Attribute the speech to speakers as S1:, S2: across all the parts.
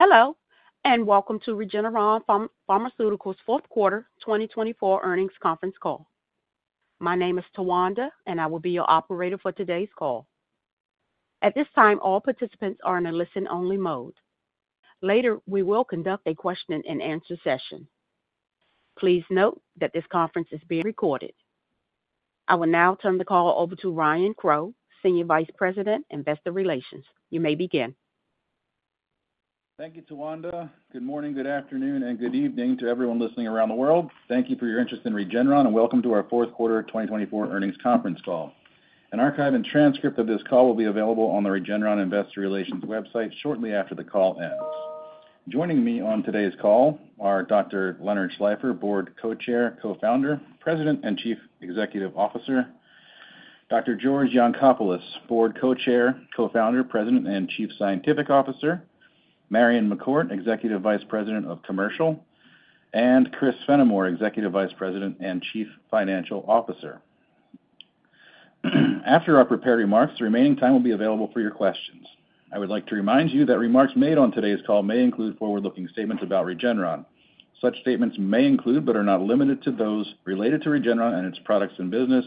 S1: Hello, and welcome to Regeneron Pharmaceuticals' Fourth Quarter 2024 Earnings Conference Call. My name is Tawanda, and I will be your operator for today's call. At this time, all participants are in a listen-only mode. Later, we will conduct a question-and-answer session. Please note that this conference is being recorded. I will now turn the call over to Ryan Crowe, Senior Vice President, Investor Relations. You may begin.
S2: Thank you, Tawanda. Good morning, good afternoon, and good evening to everyone listening around the world. Thank you for your interest in Regeneron, and welcome to our Fourth Quarter 2024 Earnings Conference Call. An archived transcript of this call will be available on the Regeneron Investor Relations website shortly after the call ends. Joining me on today's call are Dr. Leonard Schleifer, Board Co-Chair, Co-Founder, President, and Chief Executive Officer, Dr. George Yancopoulos, Board Co-Chair, Co-Founder, President, and Chief Scientific Officer, Marion McCourt, Executive Vice President of Commercial, and Chris Fenimore, Executive Vice President and Chief Financial Officer. After our prepared remarks, the remaining time will be available for your questions. I would like to remind you that remarks made on today's call may include forward-looking statements about Regeneron. Such statements may include, but are not limited to, those related to Regeneron and its products and business,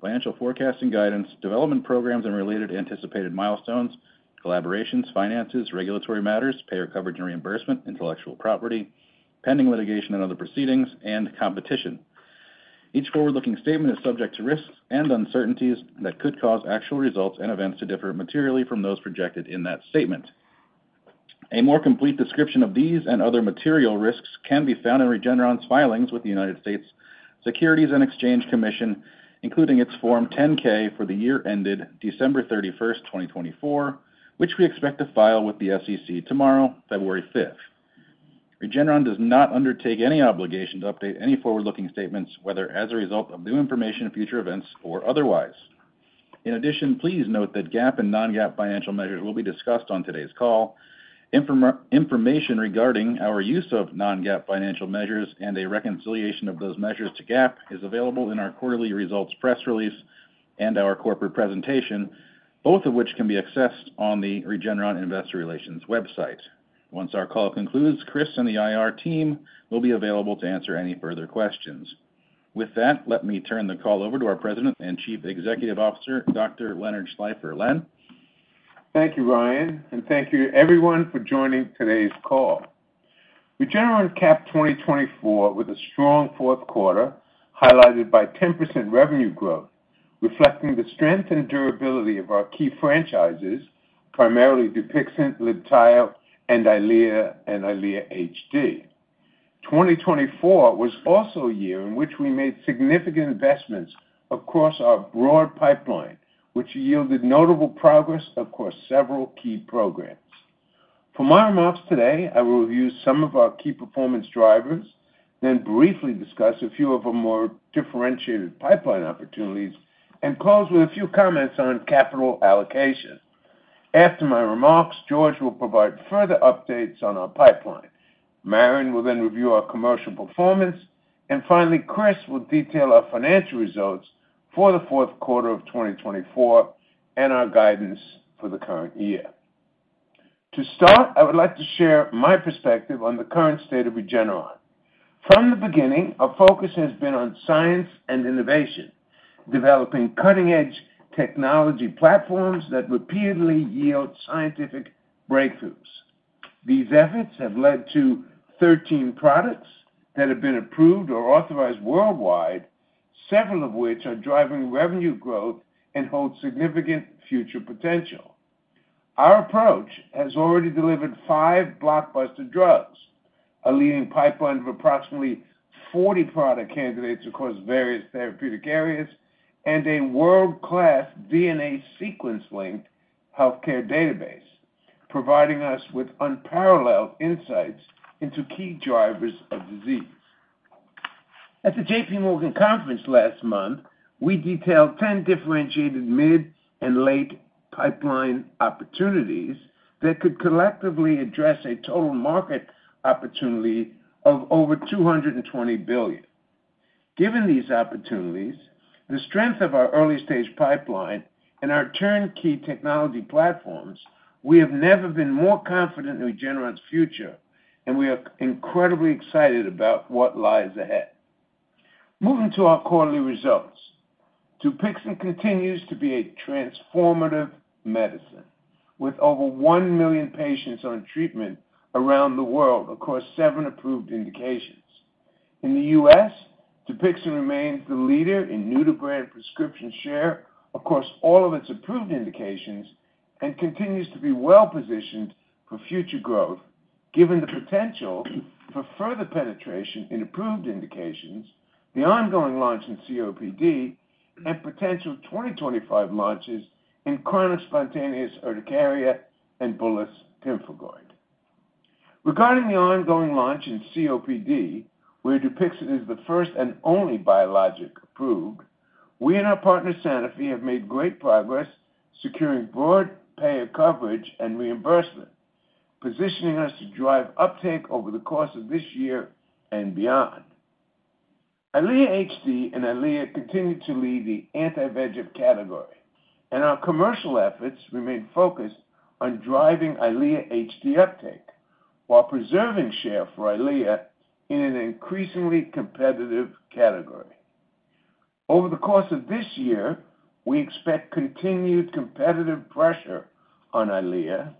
S2: financial forecasting guidance, development programs and related anticipated milestones, collaborations, finances, regulatory matters, payer coverage and reimbursement, intellectual property, pending litigation and other proceedings, and competition. Each forward-looking statement is subject to risks and uncertainties that could cause actual results and events to differ materially from those projected in that statement. A more complete description of these and other material risks can be found in Regeneron's filings with the United States Securities and Exchange Commission, including its Form 10-K for the year ended December 31, 2024, which we expect to file with the SEC tomorrow, February 5. Regeneron does not undertake any obligation to update any forward-looking statements, whether as a result of new information, future events, or otherwise. In addition, please note that GAAP and non-GAAP financial measures will be discussed on today's call. Information regarding our use of non-GAAP financial measures and a reconciliation of those measures to GAAP is available in our quarterly results press release and our corporate presentation, both of which can be accessed on the Regeneron Investor Relations website. Once our call concludes, Chris and the IR team will be available to answer any further questions. With that, let me turn the call over to our President and Chief Executive Officer, Dr. Leonard Schleifer. Len.
S3: Thank you, Ryan, and thank you to everyone for joining today's call. Regeneron capped 2024 with a strong fourth quarter highlighted by 10% revenue growth, reflecting the strength and durability of our key franchises, primarily Dupixent, Libtayo, and Eylea HD. 2024 was also a year in which we made significant investments across our broad pipeline, which yielded notable progress across several key programs. For my remarks today, I will review some of our key performance drivers, then briefly discuss a few of our more differentiated pipeline opportunities, and close with a few comments on capital allocation. After my remarks, George will provide further updates on our pipeline. Marion will then review our commercial performance. And finally, Chris will detail our financial results for the fourth quarter of 2024 and our guidance for the current year. To start, I would like to share my perspective on the current state of Regeneron. From the beginning, our focus has been on science and innovation, developing cutting-edge technology platforms that repeatedly yield scientific breakthroughs. These efforts have led to 13 products that have been approved or authorized worldwide, several of which are driving revenue growth and hold significant future potential. Our approach has already delivered five blockbuster drugs, a leading pipeline of approximately 40 product candidates across various therapeutic areas, and a world-class DNA sequence-linked healthcare database, providing us with unparalleled insights into key drivers of disease. At the J.P. Morgan Conference last month, we detailed 10 differentiated mid and late pipeline opportunities that could collectively address a total market opportunity of over $220 billion. Given these opportunities, the strength of our early-stage pipeline and our turnkey technology platforms, we have never been more confident in Regeneron's future, and we are incredibly excited about what lies ahead. Moving to our quarterly results, Dupixent continues to be a transformative medicine, with over one million patients on treatment around the world across seven approved indications. In the U.S., Dupixent remains the leader in new-to-brand prescription share across all of its approved indications and continues to be well-positioned for future growth, given the potential for further penetration in approved indications, the ongoing launch in COPD, and potential 2025 launches in chronic spontaneous urticaria and bullous pemphigoid. Regarding the ongoing launch in COPD, where Dupixent is the first and only biologic approved, we and our partner Sanofi have made great progress securing broad payer coverage and reimbursement, positioning us to drive uptake over the course of this year and beyond. Eylea HD and Eylea continue to lead the anti-VEGF category, and our commercial efforts remain focused on driving Eylea HD uptake while preserving share for Eylea in an increasingly competitive category. Over the course of this year, we expect continued competitive pressure on Eylea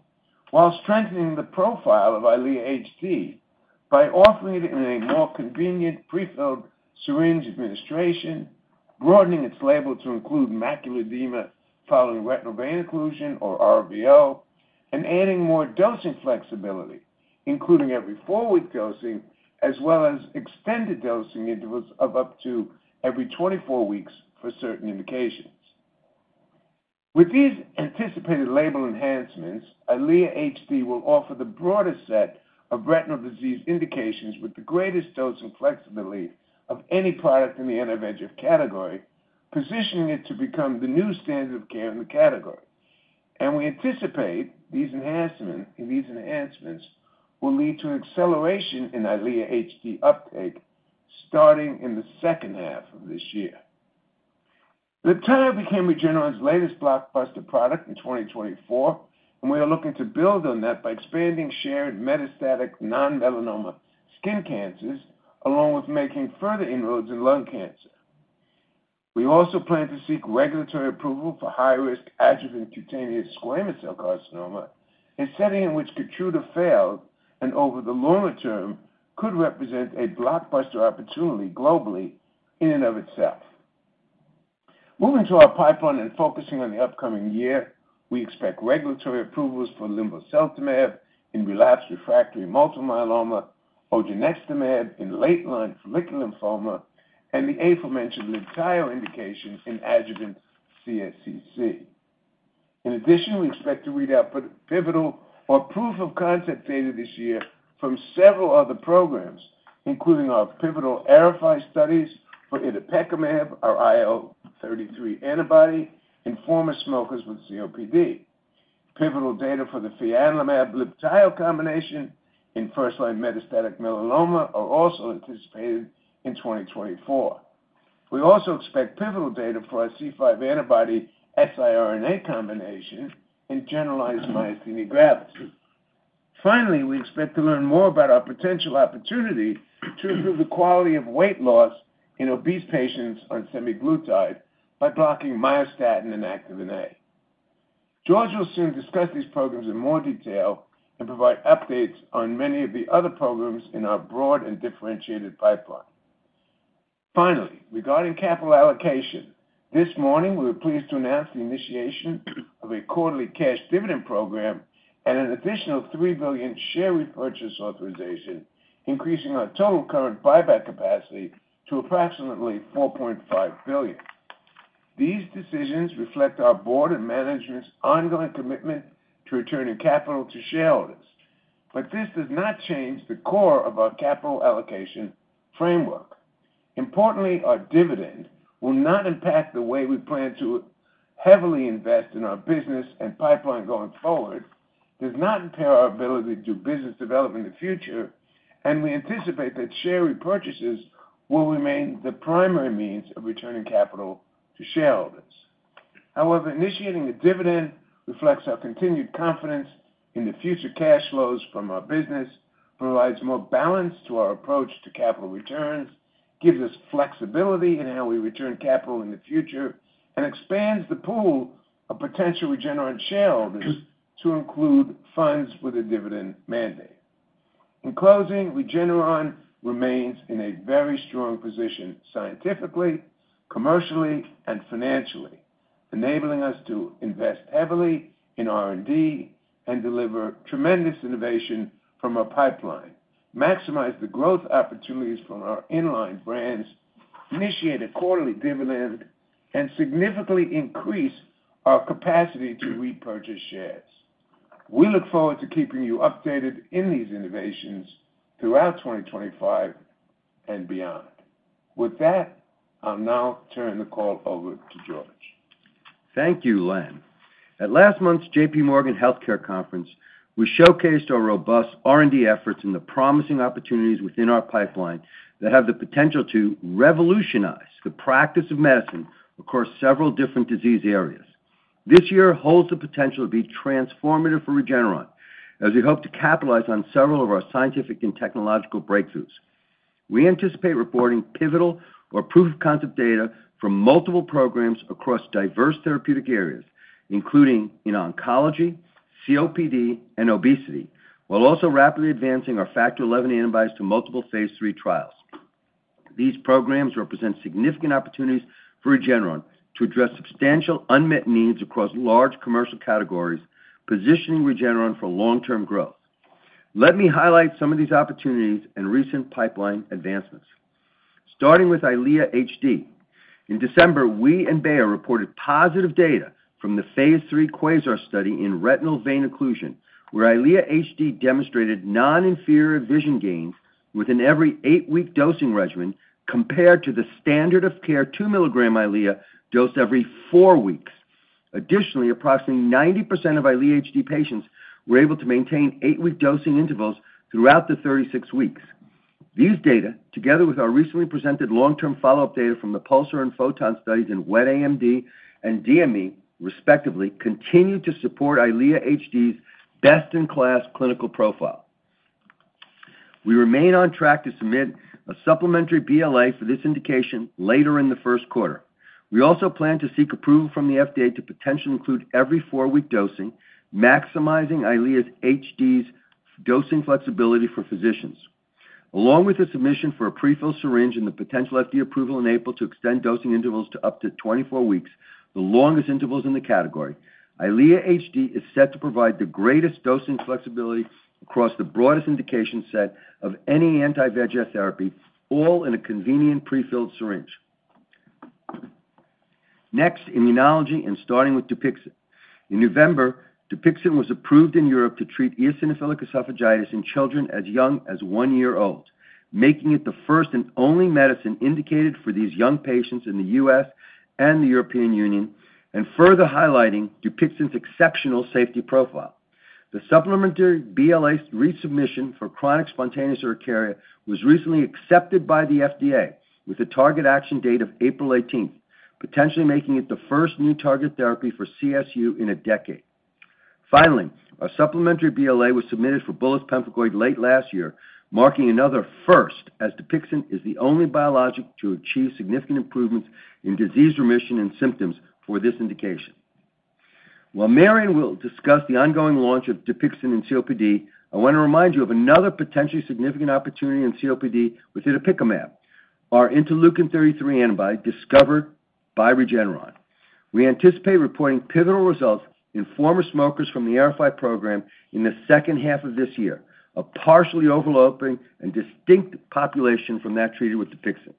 S3: while strengthening the profile of Eylea HD by offering it in a more convenient prefilled syringe administration, broadening its label to include macular edema following retinal vein occlusion or RVO, and adding more dosing flexibility, including every four-week dosing, as well as extended dosing intervals of up to every 24 weeks for certain indications. With these anticipated label enhancements, Eylea HD will offer the broadest set of retinal disease indications with the greatest dosing flexibility of any product in the anti-VEGF category, positioning it to become the new standard of care in the category. And we anticipate these enhancements will lead to an acceleration in Eylea HD uptake starting in the second half of this year. Libtayo became Regeneron's latest blockbuster product in 2024, and we are looking to build on that by expanding advanced metastatic non-melanoma skin cancers, along with making further inroads in lung cancer. We also plan to seek regulatory approval for high-risk adjuvant cutaneous squamous cell carcinoma, a setting in which Keytruda failed and over the longer term could represent a blockbuster opportunity globally in and of itself. Moving to our pipeline and focusing on the upcoming year, we expect regulatory approvals for linvoseltamab in relapsed refractory multiple myeloma, odronextamab in late-line follicular lymphoma, and the aforementioned Libtayo indication in adjuvant CSCC. In addition, we expect to read out pivotal or proof-of-concept data this year from several other programs, including our pivotal AERIFY studies for itepekimab, our IL-33 antibody in former smokers with COPD. Pivotal data for the fianlimab-Libtayo combination in first-line metastatic melanoma are also anticipated in 2024. We also expect pivotal data for our C5 antibody siRNA combination in generalized myasthenia gravis. Finally, we expect to learn more about our potential opportunity to improve the quality of weight loss in obese patients on semaglutide by blocking myostatin and Activin A. George will soon discuss these programs in more detail and provide updates on many of the other programs in our broad and differentiated pipeline. Finally, regarding capital allocation, this morning we were pleased to announce the initiation of a quarterly cash dividend program and an additional $3 billion share repurchase authorization, increasing our total current buyback capacity to approximately $4.5 billion. These decisions reflect our board and management's ongoing commitment to returning capital to shareholders, but this does not change the core of our capital allocation framework. Importantly, our dividend will not impact the way we plan to heavily invest in our business and pipeline going forward, does not impair our ability to do business development in the future, and we anticipate that share repurchases will remain the primary means of returning capital to shareholders. However, initiating a dividend reflects our continued confidence in the future cash flows from our business, provides more balance to our approach to capital returns, gives us flexibility in how we return capital in the future, and expands the pool of potential Regeneron shareholders to include funds with a dividend mandate. In closing, Regeneron remains in a very strong position scientifically, commercially, and financially, enabling us to invest heavily in R&D and deliver tremendous innovation from our pipeline, maximize the growth opportunities from our inline brands, initiate a quarterly dividend, and significantly increase our capacity to repurchase shares. We look forward to keeping you updated in these innovations throughout 2025 and beyond. With that, I'll now turn the call over to George.
S4: Thank you, Len. At last month's J.P. Morgan Healthcare Conference, we showcased our robust R&D efforts and the promising opportunities within our pipeline that have the potential to revolutionize the practice of medicine across several different disease areas. This year holds the potential to be transformative for Regeneron, as we hope to capitalize on several of our scientific and technological breakthroughs. We anticipate reporting pivotal or proof-of-concept data from multiple programs across diverse therapeutic areas, including in oncology, COPD, and obesity, while also rapidly advancing our Factor XI antibodies to multiple phase III trials. These programs represent significant opportunities for Regeneron to address substantial unmet needs across large commercial categories, positioning Regeneron for long-term growth. Let me highlight some of these opportunities and recent pipeline advancements. Starting with Eylea HD, in December, we and Bayer reported positive data from the phase III QUASAR study in retinal vein occlusion, where Eylea HD demonstrated non-inferior vision gains within every eight-week dosing regimen compared to the standard of care 2 mg Eylea dosed every four weeks. Additionally, approximately 90% of Eylea HD patients were able to maintain eight-week dosing intervals throughout the 36 weeks. These data, together with our recently presented long-term follow-up data from the PULSAR and PHOTON studies in Wet AMD and DME, respectively, continue to support Eylea HD's best-in-class clinical profile. We remain on track to submit a supplementary BLA for this indication later in the first quarter. We also plan to seek approval from the FDA to potentially include every four-week dosing, maximizing Eylea HD's dosing flexibility for physicians. Along with the submission for a prefilled syringe and the potential FDA approval in April to extend dosing intervals to up to 24 weeks, the longest intervals in the category, Eylea HD is set to provide the greatest dosing flexibility across the broadest indication set of any anti-VEGF therapy, all in a convenient prefilled syringe. Next, immunology and starting with Dupixent. In November, Dupixent was approved in Europe to treat eosinophilic esophagitis in children as young as one year old, making it the first and only medicine indicated for these young patients in the U.S. and the European Union, and further highlighting Dupixent's exceptional safety profile. The supplementary BLA resubmission for chronic spontaneous urticaria was recently accepted by the FDA with a target action date of April 18, potentially making it the first new target therapy for CSU in a decade. Finally, our supplementary BLA was submitted for bullous pemphigoid late last year, marking another first as Dupixent is the only biologic to achieve significant improvements in disease remission and symptoms for this indication. While Marion will discuss the ongoing launch of Dupixent and COPD, I want to remind you of another potentially significant opportunity in COPD with itepekimab, our interleukin-33 antibody discovered by Regeneron. We anticipate reporting pivotal results in former smokers from the AERIFY program in the second half of this year, a partially overlapping and distinct population from that treated with Dupixent.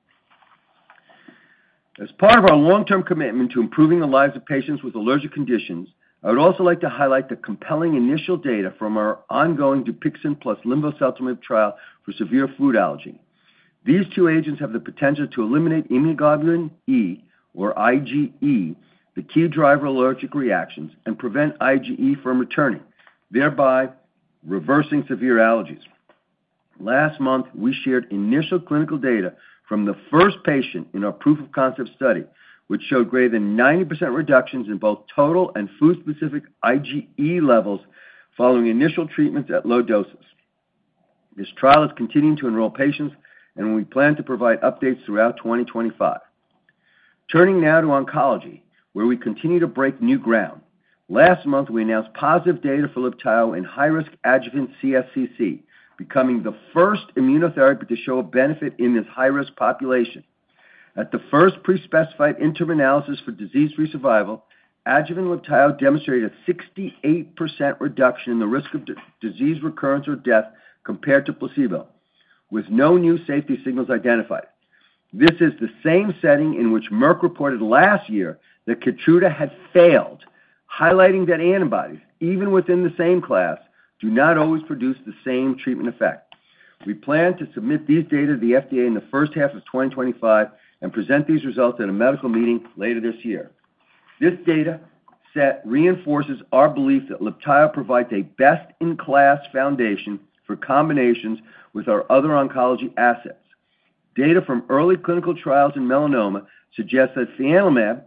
S4: As part of our long-term commitment to improving the lives of patients with allergic conditions, I would also like to highlight the compelling initial data from our ongoing Dupixent plus linvoseltamab trial for severe food allergy. These two agents have the potential to eliminate immunoglobulin E, or IgE, the key driver of allergic reactions, and prevent IgE from returning, thereby reversing severe allergies. Last month, we shared initial clinical data from the first patient in our proof-of-concept study, which showed greater than 90% reductions in both total and food-specific IgE levels following initial treatments at low doses. This trial is continuing to enroll patients, and we plan to provide updates throughout 2025. Turning now to oncology, where we continue to break new ground. Last month, we announced positive data for Libtayo in high-risk adjuvant CSCC, becoming the first immunotherapy to show a benefit in this high-risk population. At the first pre-specified interim analysis for disease-free survival, adjuvant Libtayo demonstrated a 68% reduction in the risk of disease recurrence or death compared to placebo, with no new safety signals identified. This is the same setting in which Merck reported last year that Keytruda had failed, highlighting that antibodies, even within the same class, do not always produce the same treatment effect. We plan to submit these data to the FDA in the first half of 2025 and present these results at a medical meeting later this year. This data set reinforces our belief that Libtayo provides a best-in-class foundation for combinations with our other oncology assets. Data from early clinical trials in melanoma suggests that fianlimab,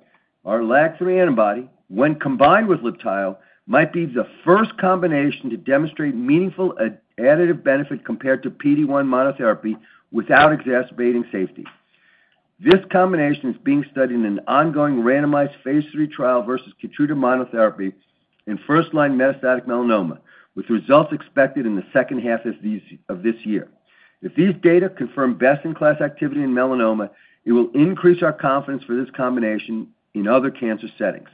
S4: our LAG-3 antibody, when combined with Libtayo, might be the first combination to demonstrate meaningful additive benefit compared to PD-1 monotherapy without exacerbating safety. This combination is being studied in an ongoing randomized phase III trial versus Keytruda monotherapy in first-line metastatic melanoma, with results expected in the second half of this year. If these data confirm best-in-class activity in melanoma, it will increase our confidence for this combination in other cancer settings.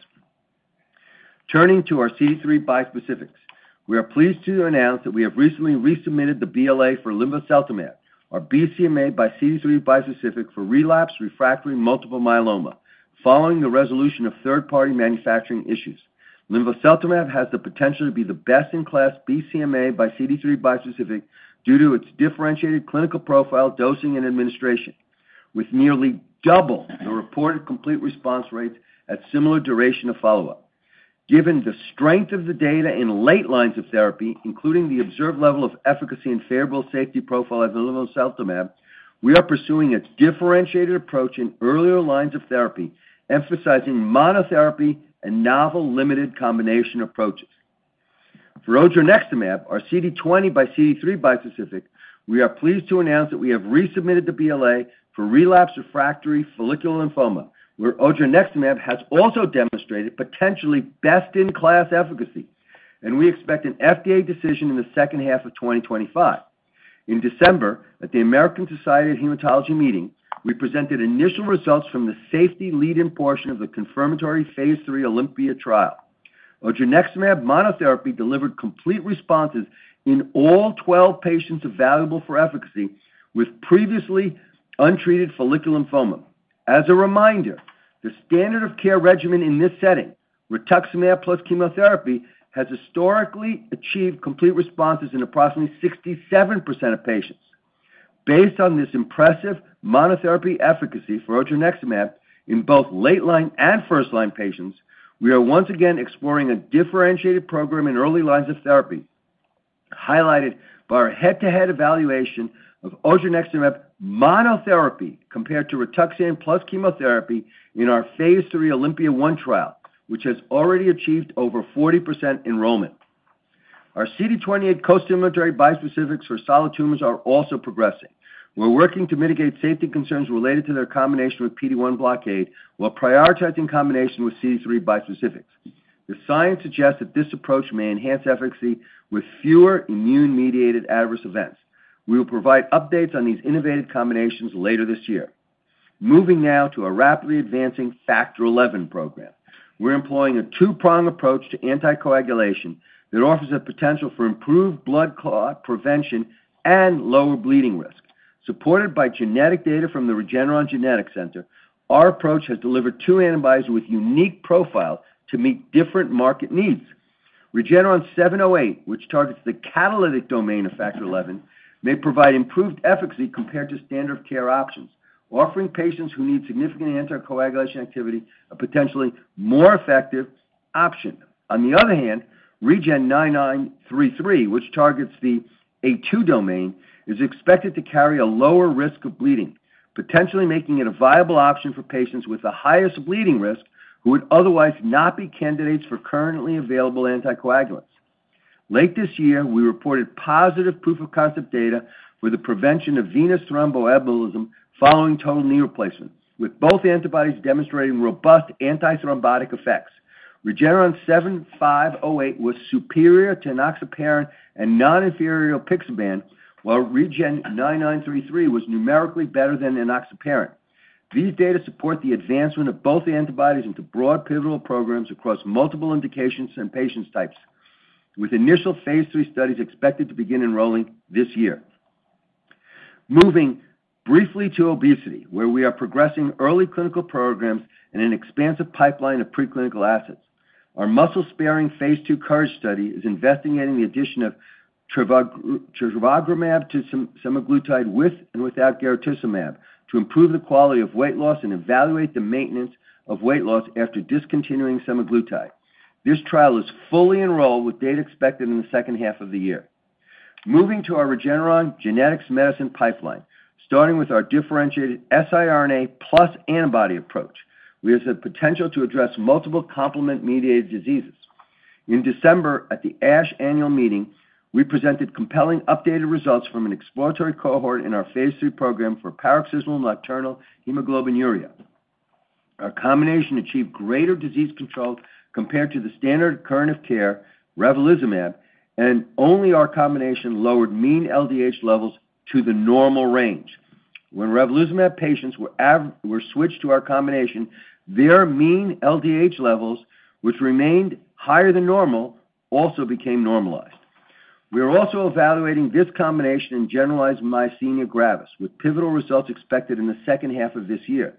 S4: Turning to our CD3 bispecifics, we are pleased to announce that we have recently resubmitted the BLA for linvoseltamab, our BCMAxCD3 bispecific for relapsed refractory multiple myeloma, following the resolution of third-party manufacturing issues. Linvoseltamab has the potential to be the best-in-class BCMAxCD3 bispecific due to its differentiated clinical profile, dosing, and administration, with nearly double the reported complete response rates at similar duration of follow-up. Given the strength of the data in late lines of therapy, including the observed level of efficacy and favorable safety profile of linvoseltamab, we are pursuing a differentiated approach in earlier lines of therapy, emphasizing monotherapy and novel limited combination approaches. For Odronextamab, our CD20xCD3 bispecific, we are pleased to announce that we have resubmitted the BLA for relapsed refractory follicular lymphoma, where Odronextamab has also demonstrated potentially best-in-class efficacy, and we expect an FDA decision in the second half of 2025. In December, at the American Society of Hematology meeting, we presented initial results from the safety lead-in portion of the confirmatory phase III OLYMPIA trial. Odronextamab monotherapy delivered complete responses in all 12 patients evaluable for efficacy with previously untreated follicular lymphoma. As a reminder, the standard of care regimen in this setting, rituximab plus chemotherapy, has historically achieved complete responses in approximately 67% of patients. Based on this impressive monotherapy efficacy for odronextamab in both late-line and first-line patients, we are once again exploring a differentiated program in early lines of therapy, highlighted by our head-to-head evaluation of odronextamab monotherapy compared to rituximab plus chemotherapy in our phase III Olympia I trial, which has already achieved over 40% enrollment. Our CD28 co-stimulatory bispecifics for solid tumors are also progressing. We're working to mitigate safety concerns related to their combination with PD-1 blockade while prioritizing combination with CD3 bispecifics. The science suggests that this approach may enhance efficacy with fewer immune-mediated adverse events. We will provide updates on these innovative combinations later this year. Moving now to our rapidly advancing Factor XI program, we're employing a two-pronged approach to anticoagulation that offers a potential for improved blood clot prevention and lower bleeding risk. Supported by genetic data from the Regeneron Genetics Center, our approach has delivered two antibodies with unique profiles to meet different market needs. REGN7508, which targets the catalytic domain of Factor XI, may provide improved efficacy compared to standard of care options, offering patients who need significant anticoagulation activity a potentially more effective option. On the other hand, REGN9933, which targets the A2 domain, is expected to carry a lower risk of bleeding, potentially making it a viable option for patients with the highest bleeding risk who would otherwise not be candidates for currently available anticoagulants. Late this year, we reported positive proof-of-concept data for the prevention of venous thromboembolism following total knee replacement, with both antibodies demonstrating robust anti-thrombotic effects. REGN7508 was superior to enoxaparin and non-inferior apixaban, while REGN9933 was numerically better than enoxaparin. These data support the advancement of both antibodies into broad pivotal programs across multiple indications and patient types, with initial phase III studies expected to begin enrolling this year. Moving briefly to obesity, where we are progressing early clinical programs and an expansive pipeline of preclinical assets. Our muscle-sparing phase II COURAGE study is investigating the addition of trevogrumab to semaglutide with and without garetosmab to improve the quality of weight loss and evaluate the maintenance of weight loss after discontinuing semaglutide. This trial is fully enrolled with data expected in the second half of the year. Moving to our Regeneron genetic medicines pipeline, starting with our differentiated siRNA plus antibody approach, we have the potential to address multiple complement-mediated diseases. In December, at the ASH annual meeting, we presented compelling updated results from an exploratory cohort in our phase III program for paroxysmal nocturnal hemoglobinuria. Our combination achieved greater disease control compared to the standard of care, ravulizumab, and only our combination lowered mean LDH levels to the normal range. When ravulizumab patients were switched to our combination, their mean LDH levels, which remained higher than normal, also became normalized. We are also evaluating this combination in generalized myasthenia gravis, with pivotal results expected in the second half of this year.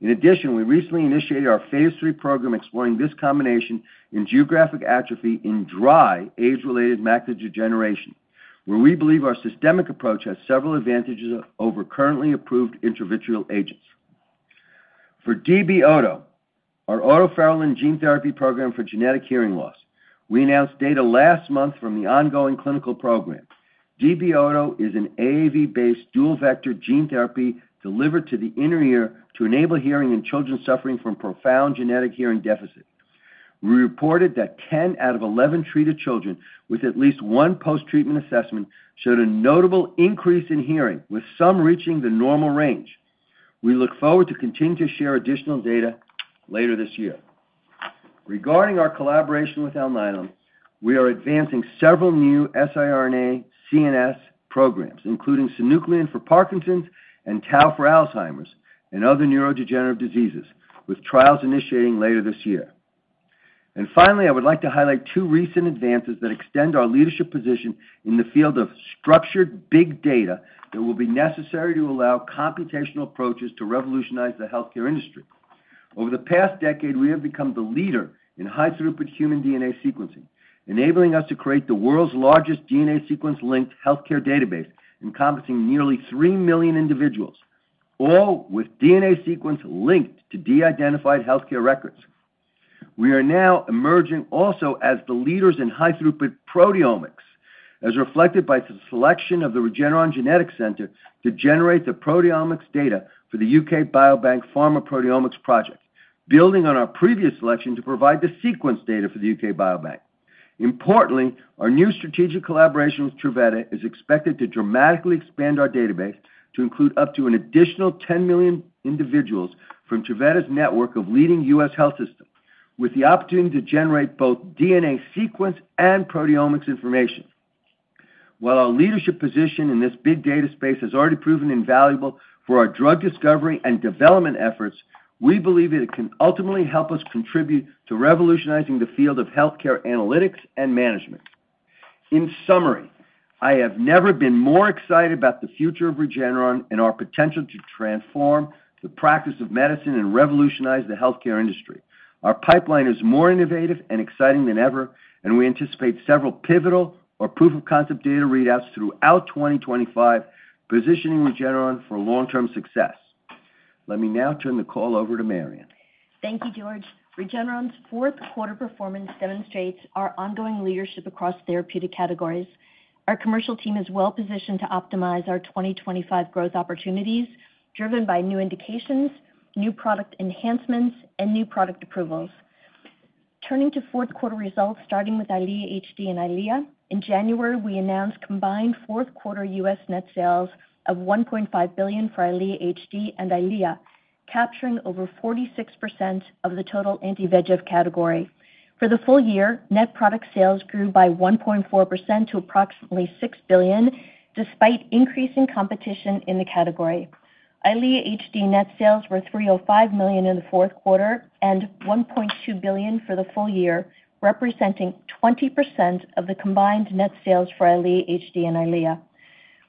S4: In addition, we recently initiated our phase III program exploring this combination in geographic atrophy in dry age-related macular degeneration, where we believe our systemic approach has several advantages over currently approved intravitreal agents. For DB-OTO, our otoferlin gene therapy program for genetic hearing loss, we announced data last month from the ongoing clinical program. DB-OTO is an AAV-based dual-vector gene therapy delivered to the inner ear to enable hearing in children suffering from profound genetic hearing deficit. We reported that 10 out of 11 treated children with at least one post-treatment assessment showed a notable increase in hearing, with some reaching the normal range. We look forward to continuing to share additional data later this year. Regarding our collaboration with Alnylam, we are advancing several new siRNA CNS programs, including synuclein for Parkinson's and tau for Alzheimer's and other neurodegenerative diseases, with trials initiating later this year, and finally, I would like to highlight two recent advances that extend our leadership position in the field of structured big data that will be necessary to allow computational approaches to revolutionize the healthcare industry. Over the past decade, we have become the leader in high-throughput human DNA sequencing, enabling us to create the world's largest DNA sequence-linked healthcare database, encompassing nearly 3 million individuals, all with DNA sequence linked to de-identified healthcare records. We are now emerging also as the leaders in high-throughput proteomics, as reflected by the selection of the Regeneron Genetics Center to generate the proteomics data for the U.K. Biobank Pharma Proteomics Project, building on our previous selection to provide the sequence data for the U.K. Biobank. Importantly, our new strategic collaboration with Truveta is expected to dramatically expand our database to include up to an additional 10 million individuals from Truveta's network of leading U.S. health systems, with the opportunity to generate both DNA sequence and proteomics information. While our leadership position in this big data space has already proven invaluable for our drug discovery and development efforts, we believe it can ultimately help us contribute to revolutionizing the field of healthcare analytics and management. In summary, I have never been more excited about the future of Regeneron and our potential to transform the practice of medicine and revolutionize the healthcare industry. Our pipeline is more innovative and exciting than ever, and we anticipate several pivotal or proof-of-concept data readouts throughout 2025, positioning Regeneron for long-term success. Let me now turn the call over to Marion.
S5: Thank you, George. Regeneron's fourth-quarter performance demonstrates our ongoing leadership across therapeutic categories. Our commercial team is well-positioned to optimize our 2025 growth opportunities, driven by new indications, new product enhancements, and new product approvals. Turning to fourth-quarter results, starting with Eylea HD and Eylea, in January, we announced combined fourth-quarter U.S. net sales of $1.5 billion for Eylea HD and Eylea, capturing over 46% of the total anti-VEGF category. For the full year, net product sales grew by 1.4% to approximately $6 billion, despite increasing competition in the category. Eylea HD net sales were $305 million in the fourth quarter and $1.2 billion for the full year, representing 20% of the combined net sales for Eylea HD and Eylea.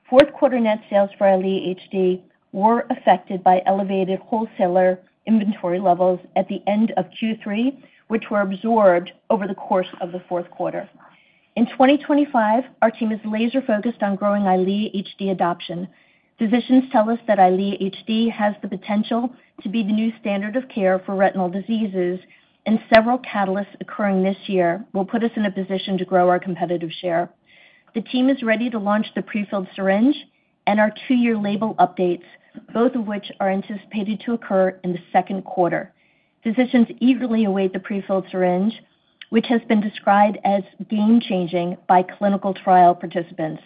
S5: Fourth-quarter net sales for Eylea HD were affected by elevated wholesaler inventory levels at the end of Q3, which were absorbed over the course of the fourth quarter. In 2025, our team is laser-focused on growing Eylea HD adoption. Physicians tell us that Eylea HD has the potential to be the new standard of care for retinal diseases, and several catalysts occurring this year will put us in a position to grow our competitive share. The team is ready to launch the prefilled syringe and our two-year label updates, both of which are anticipated to occur in the second quarter. Physicians eagerly await the prefilled syringe, which has been described as game-changing by clinical trial participants.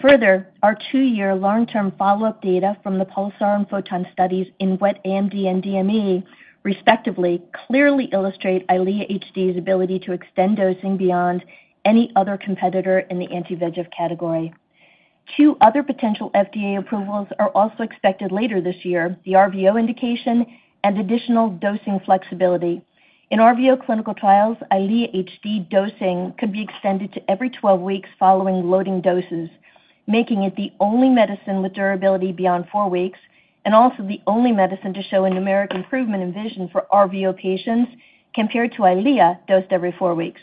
S5: Further, our two-year long-term follow-up data from the PULSAR and PHOTON studies in Wet AMD and DME, respectively, clearly illustrate Eylea HD's ability to extend dosing beyond any other competitor in the anti-VEGF category. Two other potential FDA approvals are also expected later this year: the RVO indication and additional dosing flexibility. In RVO clinical trials, Eylea HD dosing could be extended to every 12 weeks following loading doses, making it the only medicine with durability beyond four weeks and also the only medicine to show a numeric improvement in vision for RVO patients compared to Eylea dosed every four weeks.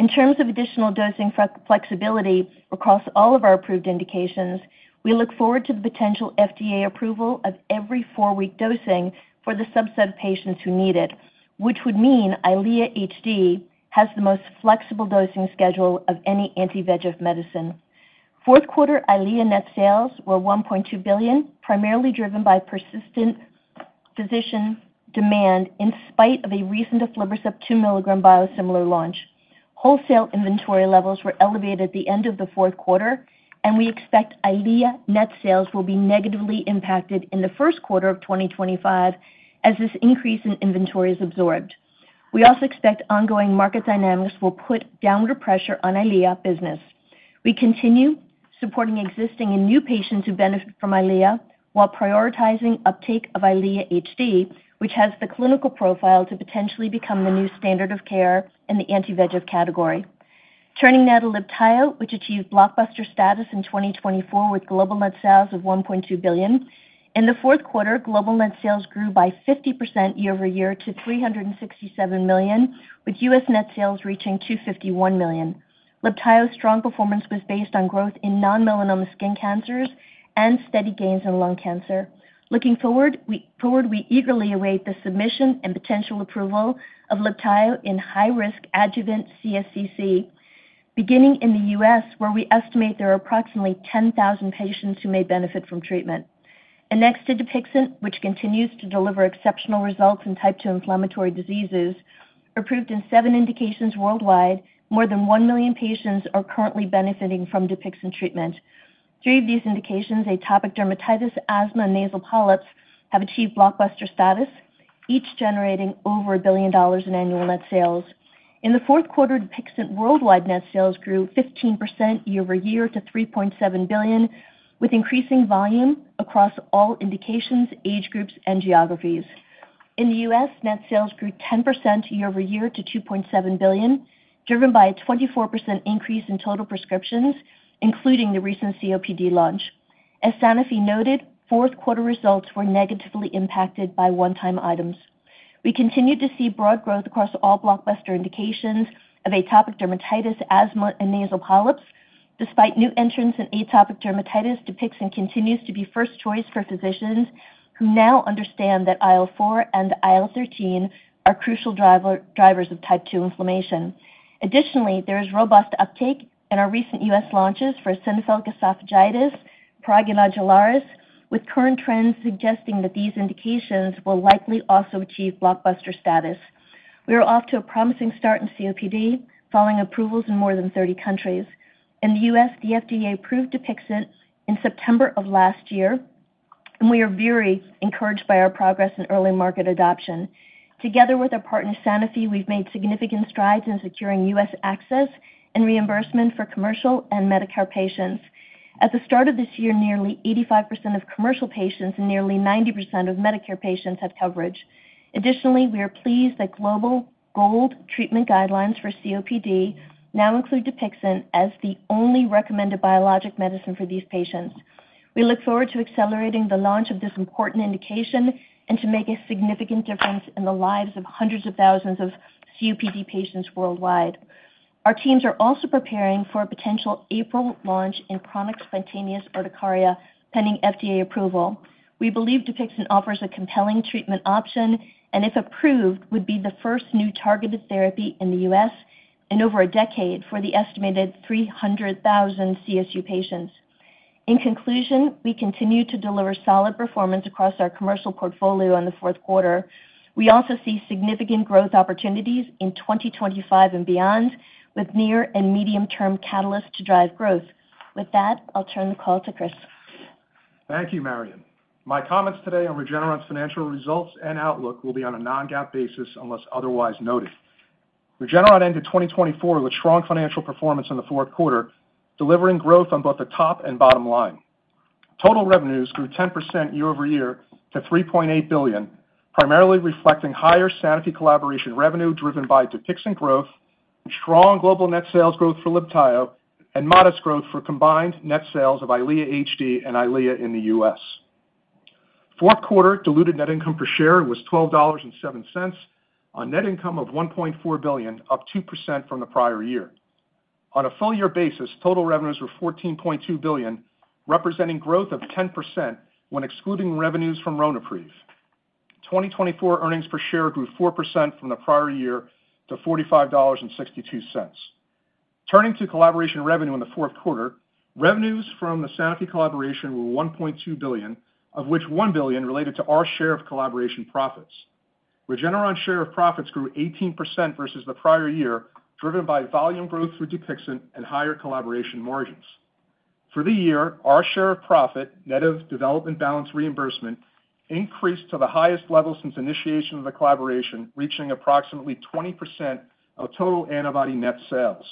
S5: In terms of additional dosing flexibility across all of our approved indications, we look forward to the potential FDA approval of every four-week dosing for the subset of patients who need it, which would mean Eylea HD has the most flexible dosing schedule of any anti-VEGF medicine. Fourth quarter Eylea net sales were $1.2 billion, primarily driven by persistent physician demand in spite of a recent aflibercept 2 mg biosimilar launch. Wholesale inventory levels were elevated at the end of the fourth quarter, and we expect Eylea net sales will be negatively impacted in the first quarter of 2025 as this increase in inventory is absorbed. We also expect ongoing market dynamics will put downward pressure on Eylea business. We continue supporting existing and new patients who benefit from Eylea while prioritizing uptake of Eylea HD, which has the clinical profile to potentially become the new standard of care in the anti-VEGF category. Turning now to Libtayo, which achieved blockbuster status in 2024 with global net sales of $1.2 billion. In the fourth quarter, global net sales grew by 50% year over year to $367 million, with U.S. net sales reaching $251 million. Libtayo's strong performance was based on growth in non-melanoma skin cancers and steady gains in lung cancer. Looking forward, we eagerly await the submission and potential approval of Libtayo in high-risk adjuvant CSCC, beginning in the U.S., where we estimate there are approximately 10,000 patients who may benefit from treatment. Next to Dupixent, which continues to deliver exceptional results in type 2 inflammatory diseases, approved in seven indications worldwide, more than one million patients are currently benefiting from Dupixent treatment. Three of these indications, atopic dermatitis, asthma, and nasal polyps, have achieved blockbuster status, each generating over $1 billion in annual net sales. In the fourth quarter, Dupixent worldwide net sales grew 15% year over year to $3.7 billion, with increasing volume across all indications, age groups, and geographies. In the U.S., net sales grew 10% year over year to $2.7 billion, driven by a 24% increase in total prescriptions, including the recent COPD launch. As Sanofi noted, fourth-quarter results were negatively impacted by one-time items. We continue to see broad growth across all blockbuster indications of atopic dermatitis, asthma, and nasal polyps. Despite new entrants in atopic dermatitis, Dupixent continues to be first choice for physicians who now understand that IL-4 and IL-13 are crucial drivers of type 2 inflammation. Additionally, there is robust uptake in our recent U.S. launches for eosinophilic esophagitis, prurigo nodularis, with current trends suggesting that these indications will likely also achieve blockbuster status. We are off to a promising start in COPD following approvals in more than 30 countries. In the U.S., the FDA approved Dupixent in September of last year, and we are very encouraged by our progress in early market adoption. Together with our partner Sanofi, we've made significant strides in securing U.S. access and reimbursement for commercial and Medicare patients. At the start of this year, nearly 85% of commercial patients and nearly 90% of Medicare patients had coverage. Additionally, we are pleased that global GOLD treatment guidelines for COPD now include Dupixent as the only recommended biologic medicine for these patients. We look forward to accelerating the launch of this important indication and to make a significant difference in the lives of hundreds of thousands of COPD patients worldwide. Our teams are also preparing for a potential April launch in chronic spontaneous urticaria pending FDA approval. We believe Dupixent offers a compelling treatment option and, if approved, would be the first new targeted therapy in the U.S. in over a decade for the estimated 300,000 CSU patients. In conclusion, we continue to deliver solid performance across our commercial portfolio in the fourth quarter. We also see significant growth opportunities in 2025 and beyond, with near and medium-term catalysts to drive growth. With that, I'll turn the call to Chris.
S6: Thank you, Marion. My comments today on Regeneron's financial results and outlook will be on a non-GAAP basis unless otherwise noted. Regeneron ended 2024 with strong financial performance in the fourth quarter, delivering growth on both the top and bottom line. Total revenues grew 10% year over year to $3.8 billion, primarily reflecting higher Sanofi collaboration revenue driven by Dupixent growth, strong global net sales growth for Libtayo, and modest growth for combined net sales of Eylea HD and Eylea in the U.S. Fourth quarter diluted net income per share was $12.07, a net income of $1.4 billion, up 2% from the prior year. On a full-year basis, total revenues were $14.2 billion, representing growth of 10% when excluding revenues from Ronapreve. 2024 earnings per share grew 4% from the prior year to $45.62. Turning to collaboration revenue in the fourth quarter, revenues from the Sanofi collaboration were $1.2 billion, of which $1 billion related to our share of collaboration profits. Regeneron's share of profits grew 18% versus the prior year, driven by volume growth through Dupixent and higher collaboration margins. For the year, our share of profit, net of development balance reimbursement, increased to the highest level since initiation of the collaboration, reaching approximately 20% of total antibody net sales.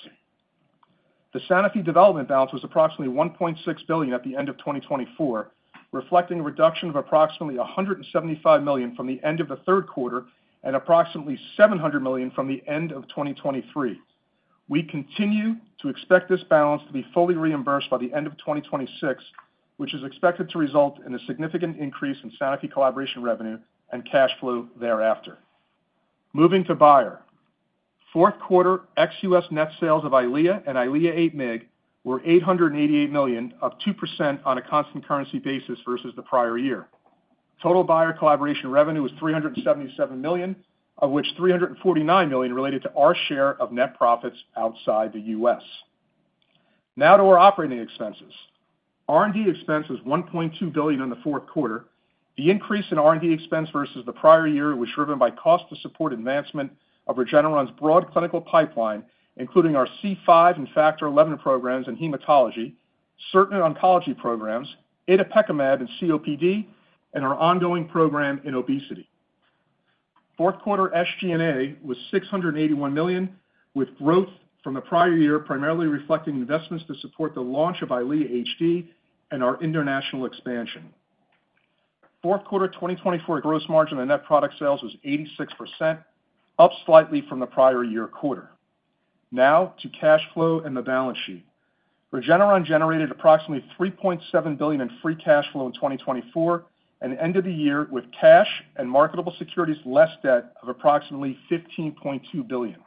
S6: The Sanofi development balance was approximately $1.6 billion at the end of 2024, reflecting a reduction of approximately $175 million from the end of the third quarter and approximately $700 million from the end of 2023. We continue to expect this balance to be fully reimbursed by the end of 2026, which is expected to result in a significant increase in Sanofi collaboration revenue and cash flow thereafter. Moving to Eylea, fourth quarter ex-U.S. net sales of Eylea and Eylea 8 mg were $888 million, up 2% on a constant currency basis versus the prior year. Total Eylea collaboration revenue was $377 million, of which $349 million related to our share of net profits outside the U.S. Now to our operating expenses. R&D expense was $1.2 billion in the fourth quarter. The increase in R&D expense versus the prior year was driven by cost to support advancement of Regeneron's broad clinical pipeline, including our C5 and Factor XI programs in hematology, certain oncology programs, itepekimab in COPD, and our ongoing program in obesity. Fourth quarter SG&A was $681 million, with growth from the prior year primarily reflecting investments to support the launch of Eylea HD and our international expansion. Fourth quarter 2024 gross margin on net product sales was 86%, up slightly from the prior year quarter. Now to cash flow and the balance sheet. Regeneron generated approximately $3.7 billion in free cash flow in 2024 and ended the year with cash and marketable securities less debt of approximately $15.2 billion.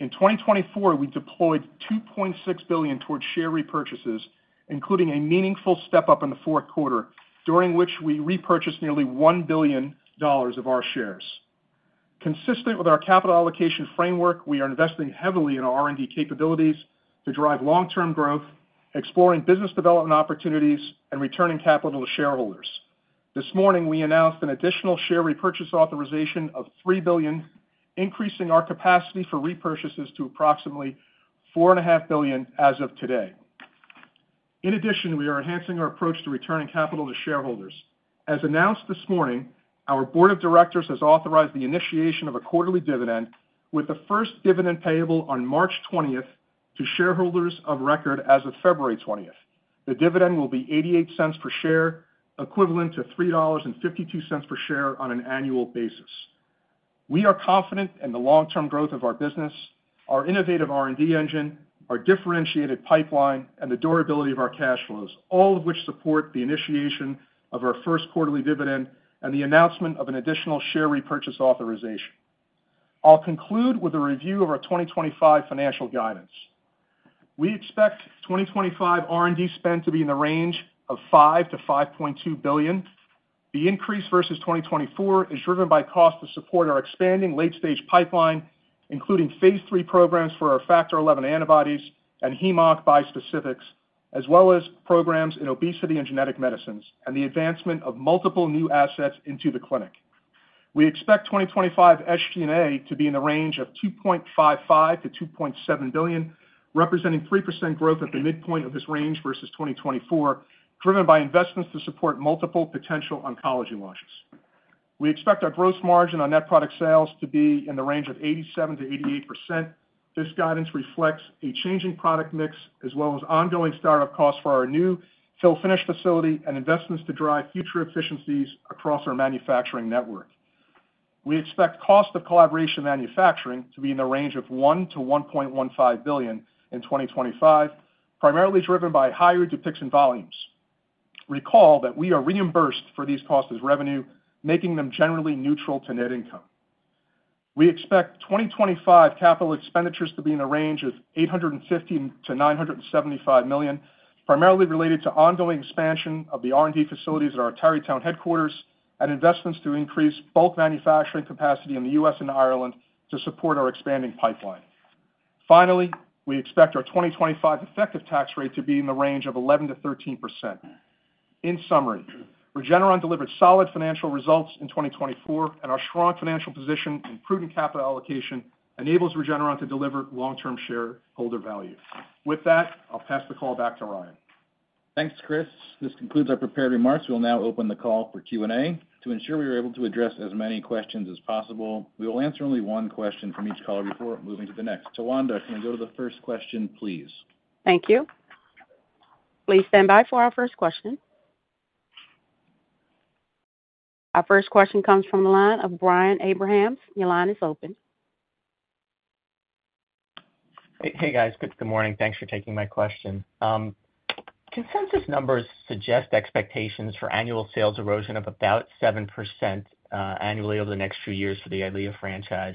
S6: In 2024, we deployed $2.6 billion towards share repurchases, including a meaningful step up in the fourth quarter, during which we repurchased nearly $1 billion of our shares. Consistent with our capital allocation framework, we are investing heavily in our R&D capabilities to drive long-term growth, exploring business development opportunities, and returning capital to shareholders. This morning, we announced an additional share repurchase authorization of $3 billion, increasing our capacity for repurchases to approximately $4.5 billion as of today. In addition, we are enhancing our approach to returning capital to shareholders. As announced this morning, our board of directors has authorized the initiation of a quarterly dividend, with the first dividend payable on March 20 to shareholders of record as of February 20. The dividend will be $0.88 per share, equivalent to $3.52 per share on an annual basis. We are confident in the long-term growth of our business, our innovative R&D engine, our differentiated pipeline, and the durability of our cash flows, all of which support the initiation of our first quarterly dividend and the announcement of an additional share repurchase authorization. I'll conclude with a review of our 2025 financial guidance. We expect 2025 R&D spend to be in the range of $5 billion-$5.2 billion. The increase versus 2024 is driven by cost to support our expanding late-stage pipeline, including Phase III programs for our Factor XI antibodies and HemOnc bispecifics, as well as programs in obesity and genetic medicines, and the advancement of multiple new assets into the clinic. We expect 2025 SG&A to be in the range of $2.55 billion-$2.7 billion, representing 3% growth at the midpoint of this range versus 2024, driven by investments to support multiple potential oncology launches. We expect our gross margin on net product sales to be in the range of 87%-88%. This guidance reflects a changing product mix, as well as ongoing startup costs for our new fill-finish facility and investments to drive future efficiencies across our manufacturing network. We expect cost of collaboration manufacturing to be in the range of $1 billion-$1.15 billion in 2025, primarily driven by higher Dupixent volumes. Recall that we are reimbursed for these costs as revenue, making them generally neutral to net income. We expect 2025 capital expenditures to be in the range of $850 million-$975 million, primarily related to ongoing expansion of the R&D facilities at our Tarrytown headquarters and investments to increase bulk manufacturing capacity in the U.S. and Ireland to support our expanding pipeline. Finally, we expect our 2025 effective tax rate to be in the range of 11%-13%. In summary, Regeneron delivered solid financial results in 2024, and our strong financial position and prudent capital allocation enables Regeneron to deliver long-term shareholder value. With that, I'll pass the call back to Ryan.
S2: Thanks, Chris. This concludes our prepared remarks. We'll now open the call for Q&A. To ensure we are able to address as many questions as possible, we will answer only one question from each caller before moving to the next. Tawanda, can we go to the first question, please?
S1: Thank you. Please stand by for our first question. Our first question comes from the line of Brian Abrahams. Your line is open.
S7: Hey, guys. Good morning. Thanks for taking my question. Consensus numbers suggest expectations for annual sales erosion of about 7% annually over the next few years for the Eylea franchise.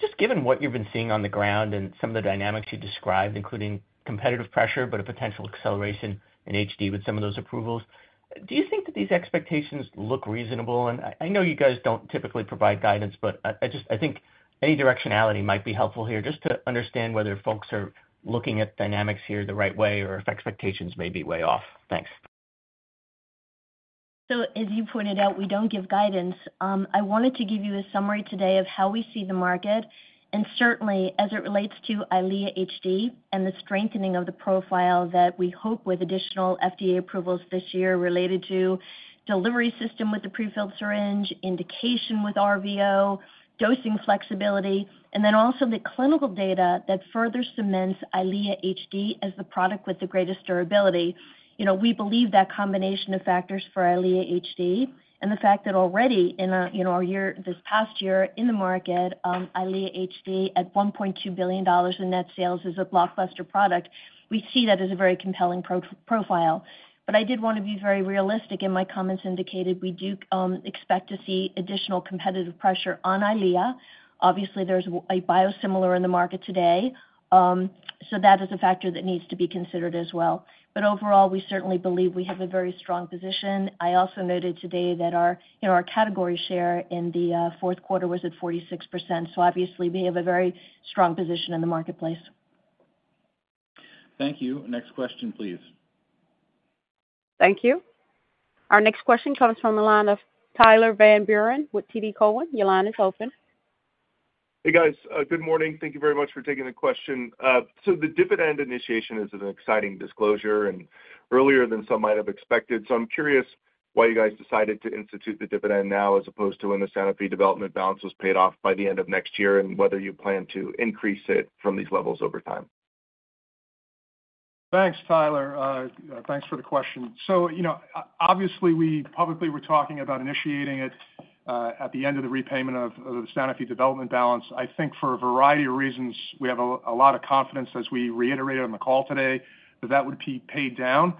S7: Just given what you've been seeing on the ground and some of the dynamics you described, including competitive pressure but a potential acceleration in HD with some of those approvals, do you think that these expectations look reasonable? And I know you guys don't typically provide guidance, but I just think any directionality might be helpful here just to understand whether folks are looking at dynamics here the right way or if expectations may be way off. Thanks.
S5: So, as you pointed out, we don't give guidance. I wanted to give you a summary today of how we see the market and certainly as it relates to Eylea HD and the strengthening of the profile that we hope with additional FDA approvals this year related to delivery system with the prefilled syringe, indication with RVO, dosing flexibility, and then also the clinical data that further cements Eylea HD as the product with the greatest durability. We believe that combination of factors for Eylea HD and the fact that already in our year this past year in the market, Eylea HD at $1.2 billion in net sales is a blockbuster product. We see that as a very compelling profile. But I did want to be very realistic in my comments indicated we do expect to see additional competitive pressure on Eylea. Obviously, there's a biosimilar in the market today, so that is a factor that needs to be considered as well. But overall, we certainly believe we have a very strong position. I also noted today that our category share in the fourth quarter was at 46%. So, obviously, we have a very strong position in the marketplace.
S2: Thank you. Next question, please.
S1: Thank you. Our next question comes from the line of Tyler Van Buren with TD Cowen. Your line is open. Hey, guys.
S8: Good morning. Thank you very much for taking the question. So, the dividend initiation is an exciting disclosure and earlier than some might have expected. So, I'm curious why you guys decided to institute the dividend now as opposed to when the Sanofi development balance was paid off by the end of next year and whether you plan to increase it from these levels over time.
S6: Thanks, Tyler. Thanks for the question. So, obviously, we publicly were talking about initiating it at the end of the repayment of the Sanofi development balance. I think for a variety of reasons, we have a lot of confidence, as we reiterated on the call today, that that would be paid down.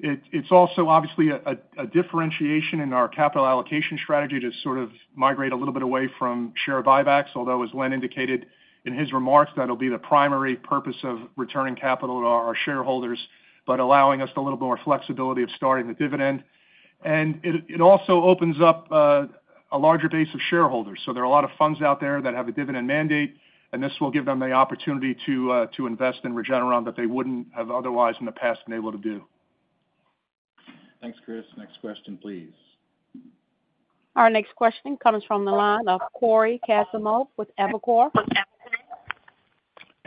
S6: It's also obviously a differentiation in our capital allocation strategy to sort of migrate a little bit away from share buybacks, although, as Len indicated in his remarks, that'll be the primary purpose of returning capital to our shareholders, but allowing us a little more flexibility of starting the dividend. And it also opens up a larger base of shareholders. So, there are a lot of funds out there that have a dividend mandate, and this will give them the opportunity to invest in Regeneron that they wouldn't have otherwise in the past been able to do.
S2: Thanks, Chris. Next question, please.
S1: Our next question comes from the line of Cory Kasimov with Evercore.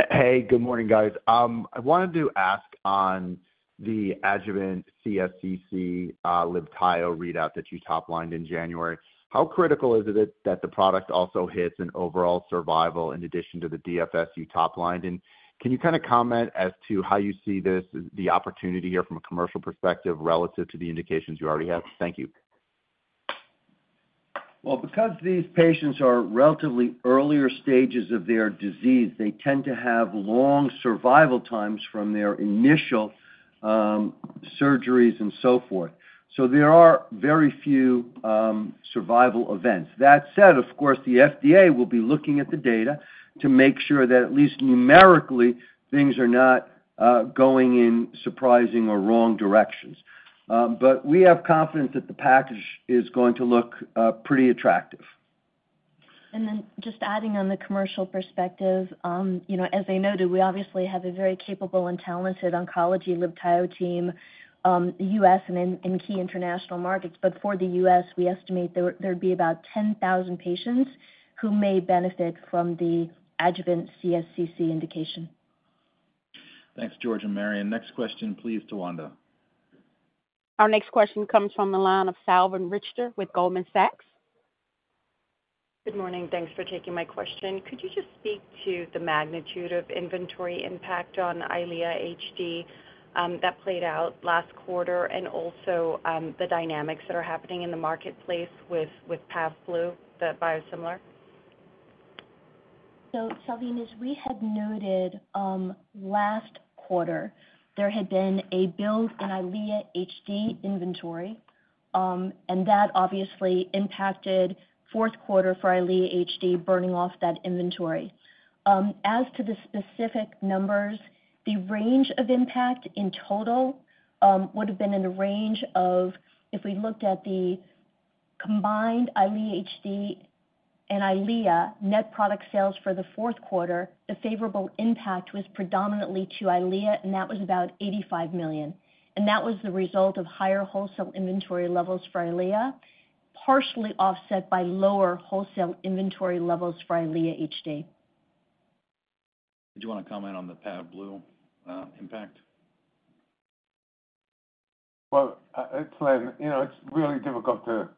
S9: Hey, good morning, guys. I wanted to ask on the adjuvant CSCC Libtayo readout that you top-lined in January. How critical is it that the product also hits an overall survival in addition to the DFS you top-lined? And can you kind of comment as to how you see this, the opportunity here from a commercial perspective relative to the indications you already have? Thank you.
S4: Well, because these patients are relatively earlier stages of their disease, they tend to have long survival times from their initial surgeries and so forth. So, there are very few survival events. That said, of course, the FDA will be looking at the data to make sure that at least numerically things are not going in surprising or wrong directions. But we have confidence that the package is going to look pretty attractive.
S5: And then just adding on the commercial perspective, as I noted, we obviously have a very capable and talented oncology Libtayo team in the U.S. and in key international markets. But for the U.S., we estimate there would be about 10,000 patients who may benefit from the adjuvant CSCC indication.
S2: Thanks, George and Marion. Next question, please, Tawanda.
S1: Our next question comes from the line of Salveen Richter with Goldman Sachs.
S10: Good morning. Thanks for taking my question. Could you just speak to the magnitude of inventory impact on Eylea HD that played out last quarter and also the dynamics that are happening in the marketplace with Pavblu, the biosimilar?
S5: So, Salveen, as we had noted, last quarter, there had been a build in Eylea HD inventory, and that obviously impacted fourth quarter for Eylea HD burning off that inventory. As to the specific numbers, the range of impact in total would have been in the range of if we looked at the combined Eylea HD and Eylea net product sales for the fourth quarter. The favorable impact was predominantly to Eylea, and that was about $85 million, and that was the result of higher wholesale inventory levels for Eylea, partially offset by lower wholesale inventory levels for Eylea HD.
S2: Did you want to comment on the Pavblu impact?
S4: It's really difficult to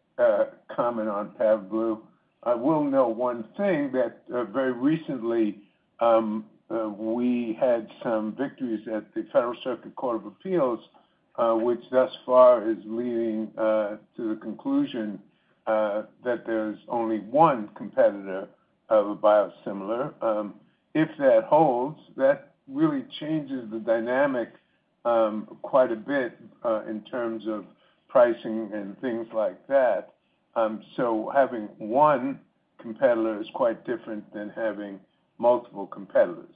S4: comment on Pavblu. I do know one thing that very recently we had some victories at the Federal Circuit Court of Appeals, which thus far is leading to the conclusion that there's only one competitor of a biosimilar. If that holds, that really changes the dynamic quite a bit in terms of pricing and things like that. Having one competitor is quite different than having multiple competitors.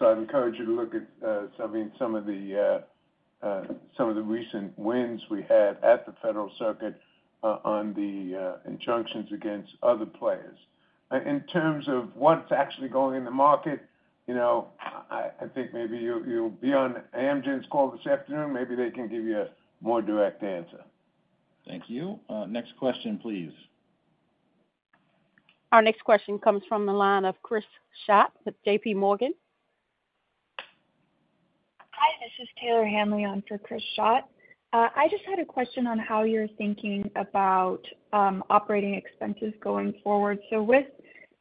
S4: I'd encourage you to look at some of the recent wins we had at the Federal Circuit on the injunctions against other players. In terms of what's actually going on in the market, I think maybe you'll be on Amgen's call this afternoon. Maybe they can give you a more direct answer.
S2: Thank you. Next question, please.
S1: Our next question comes from the line of Chris Schott with JPMorgan.
S11: Hi, this is Taylor Hanley on for Chris Schott. I just had a question on how you're thinking about operating expenses going forward. With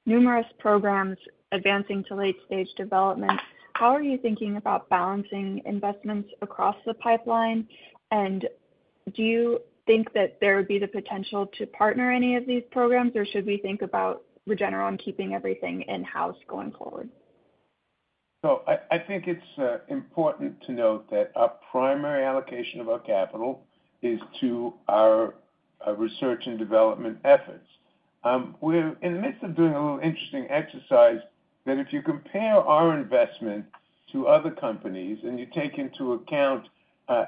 S11: numerous programs advancing to late-stage development, how are you thinking about balancing investments across the pipeline? And do you think that there would be the potential to partner any of these programs, or should we think about Regeneron keeping everything in-house going forward?
S4: So, I think it's important to note that our primary allocation of our capital is to our research and development efforts. We're in the midst of doing a little interesting exercise that if you compare our investment to other companies and you take into account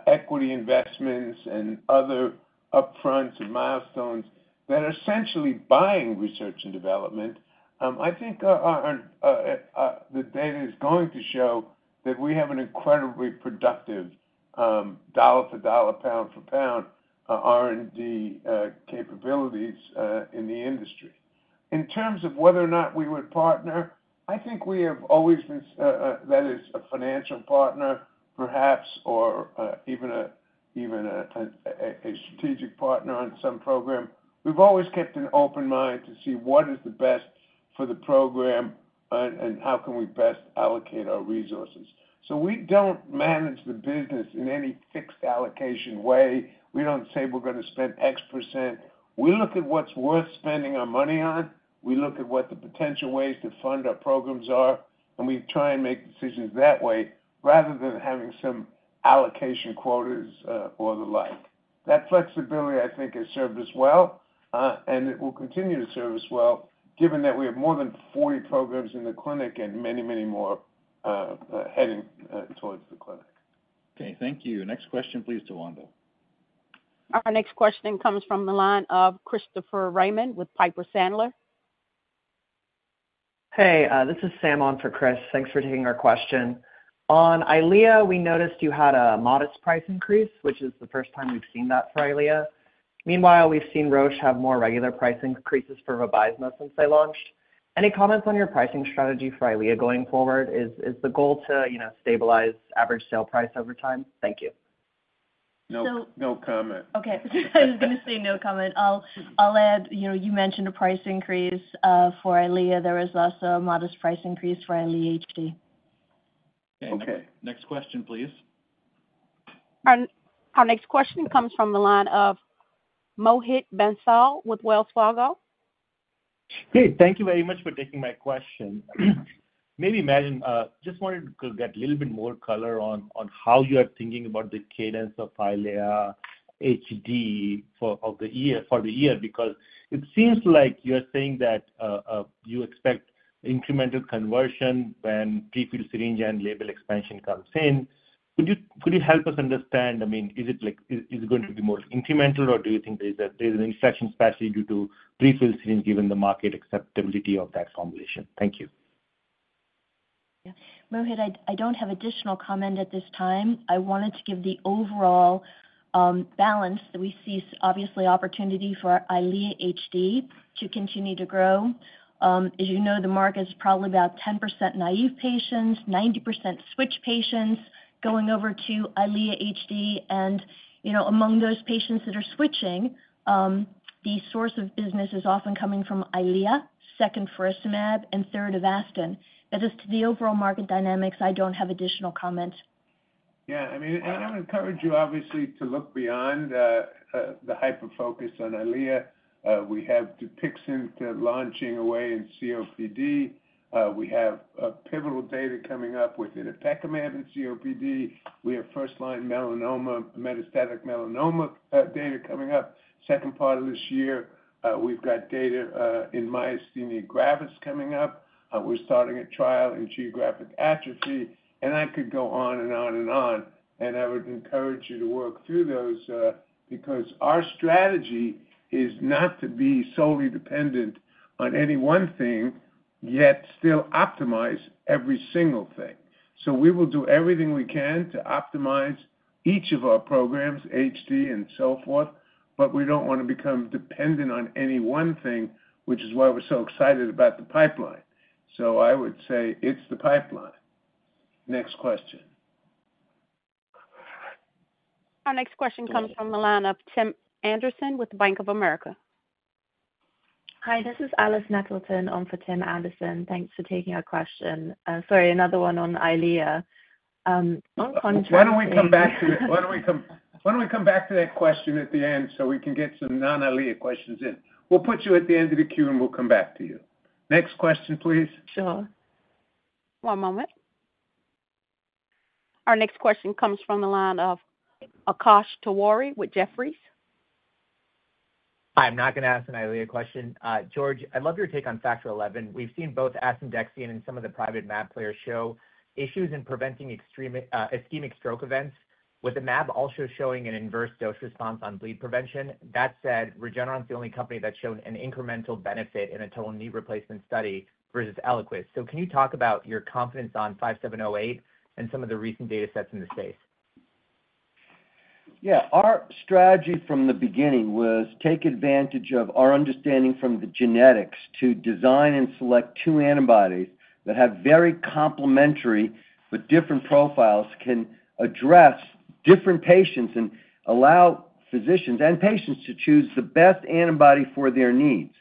S4: equity investments and other upfronts and milestones that are essentially buying research and development, I think the data is going to show that we have an incredibly productive dollar-for-dollar, pound-for-pound R&D capabilities in the industry. In terms of whether or not we would partner, I think we have always been that is a financial partner, perhaps, or even a strategic partner on some program. We've always kept an open mind to see what is the best for the program and how can we best allocate our resources. So, we don't manage the business in any fixed allocation way. We don't say we're going to spend X%. We look at what's worth spending our money on. We look at what the potential ways to fund our programs are, and we try and make decisions that way rather than having some allocation quotas or the like. That flexibility, I think, has served us well, and it will continue to serve us well given that we have more than 40 programs in the clinic and many, many more heading towards the clinic.
S2: Okay. Thank you. Next question, please, Tawanda.
S1: Our next question comes from the line of Christopher Raymond with Piper Sandler. Hey, this is Sam on for Chris. Thanks for taking our question. On Eylea, we noticed you had a modest price increase, which is the first time we've seen that for Eylea. Meanwhile, we've seen Roche have more regular price increases for Vabysmo since they launched. Any comments on your pricing strategy for Eylea going forward? Is the goal to stabilize average sale price over time? Thank you.
S4: No comment.
S5: Okay. I was going to say no comment. I'll add you mentioned a price increase for Eylea. There was also a modest price increase for Eylea HD.
S2: Okay. Next question, please.
S1: Our next question comes from the line of Mohit Bansal with Wells Fargo.
S12: Hey, thank you very much for taking my question. Maybe just wanted to get a little bit more color on how you are thinking about the cadence of Eylea HD for the year, because it seems like you're saying that you expect incremental conversion when prefilled syringe and label expansion comes in. Could you help us understand, I mean, is it going to be more incremental, or do you think there's an inflection, especially due to prefilled syringe given the market acceptability of that formulation? Thank you.
S5: Mohit, I don't have additional comment at this time. I wanted to give the overall balance that we see obviously opportunity for Eylea HD to continue to grow. As you know, the market is probably about 10% naive patients, 90% switch patients going over to Eylea HD. And among those patients that are switching, the source of business is often coming from Eylea, second for Lucentis, and third Avastin. That is to the overall market dynamics. I don't have additional comments.
S4: Yeah. I mean, and I would encourage you, obviously, to look beyond the hyper-focus on Eylea. We have Dupixent launching away in COPD. We have pivotal data coming up with itepekimab in COPD. We have first-line metastatic melanoma data coming up second part of this year. We've got data in myasthenia gravis coming up. We're starting a trial in geographic atrophy. And I could go on and on and on. And I would encourage you to work through those because our strategy is not to be solely dependent on any one thing, yet still optimize every single thing. So, we will do everything we can to optimize each of our programs, HD and so forth, but we don't want to become dependent on any one thing, which is why we're so excited about the pipeline. So, I would say it's the pipeline. Next question.
S1: Our next question comes from the line of Tim Anderson with Bank of America.
S13: Hi, this is Alice Nettleton on for Tim Anderson. Thanks for taking our question. Sorry, another one on Eylea.
S4: Why don't we come back to that question at the end so we can get some non-Eylea questions in? We'll put you at the end of the queue, and we'll come back to you. Next question, please.
S13: Sure.
S1: One moment. Our next question comes from the line of Akash Tewari with Jefferies.
S14: Hi, I'm not going to ask an Eylea question. George, I'd love your take on Factor XI. We've seen both aspirin, asundexian and some of the private mAb players show issues in preventing ischemic stroke events, with the mAb also showing an inverse dose response on bleed prevention. That said, Regeneron is the only company that showed an incremental benefit in a total knee replacement study versus Eliquis. So, can you talk about your confidence on 5708 and some of the recent data sets in the space?
S4: Yeah. Our strategy from the beginning was to take advantage of our understanding from the genetics to design and select two antibodies that have very complementary, but different profiles can address different patients and allow physicians and patients to choose the best antibody for their needs.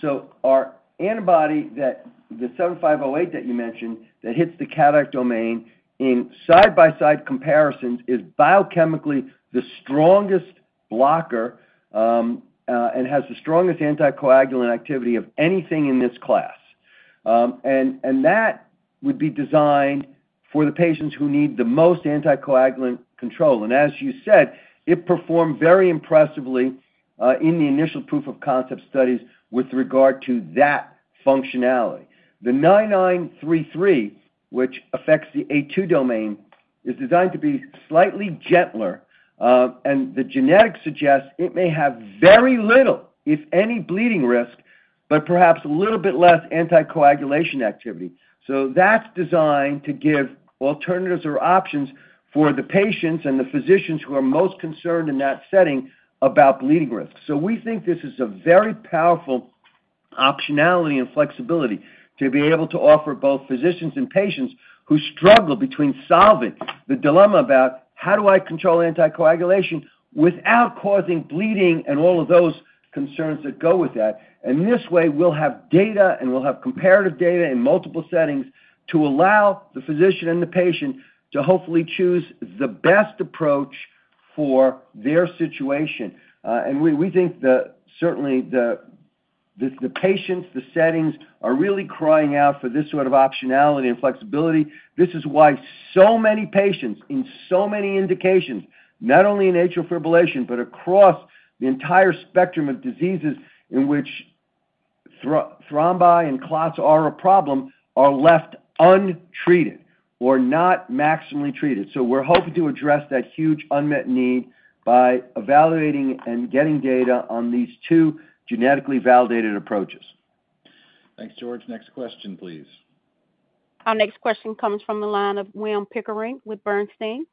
S4: So, our antibody, the 7508 that you mentioned, that hits the catalytic domain in side-by-side comparisons is biochemically the strongest blocker and has the strongest anticoagulant activity of anything in this class, and that would be designed for the patients who need the most anticoagulant control, and as you said, it performed very impressively in the initial proof-of-concept studies with regard to that functionality. The 9933, which affects the A2 domain, is designed to be slightly gentler, and the genetics suggest it may have very little, if any, bleeding risk, but perhaps a little bit less anticoagulation activity. So, that's designed to give alternatives or options for the patients and the physicians who are most concerned in that setting about bleeding risk. So, we think this is a very powerful optionality and flexibility to be able to offer both physicians and patients who struggle between solving the dilemma about how do I control anticoagulation without causing bleeding and all of those concerns that go with that. And this way, we'll have data and we'll have comparative data in multiple settings to allow the physician and the patient to hopefully choose the best approach for their situation. And we think certainly the patients, the settings are really crying out for this sort of optionality and flexibility. This is why so many patients in so many indications, not only in atrial fibrillation, but across the entire spectrum of diseases in which thrombi and clots are a problem, are left untreated or not maximally treated. So, we're hoping to address that huge unmet need by evaluating and getting data on these two genetically validated approaches.
S2: Thanks, George. Next question, please.
S1: Our next question comes from the line of William Pickering with Bernstein.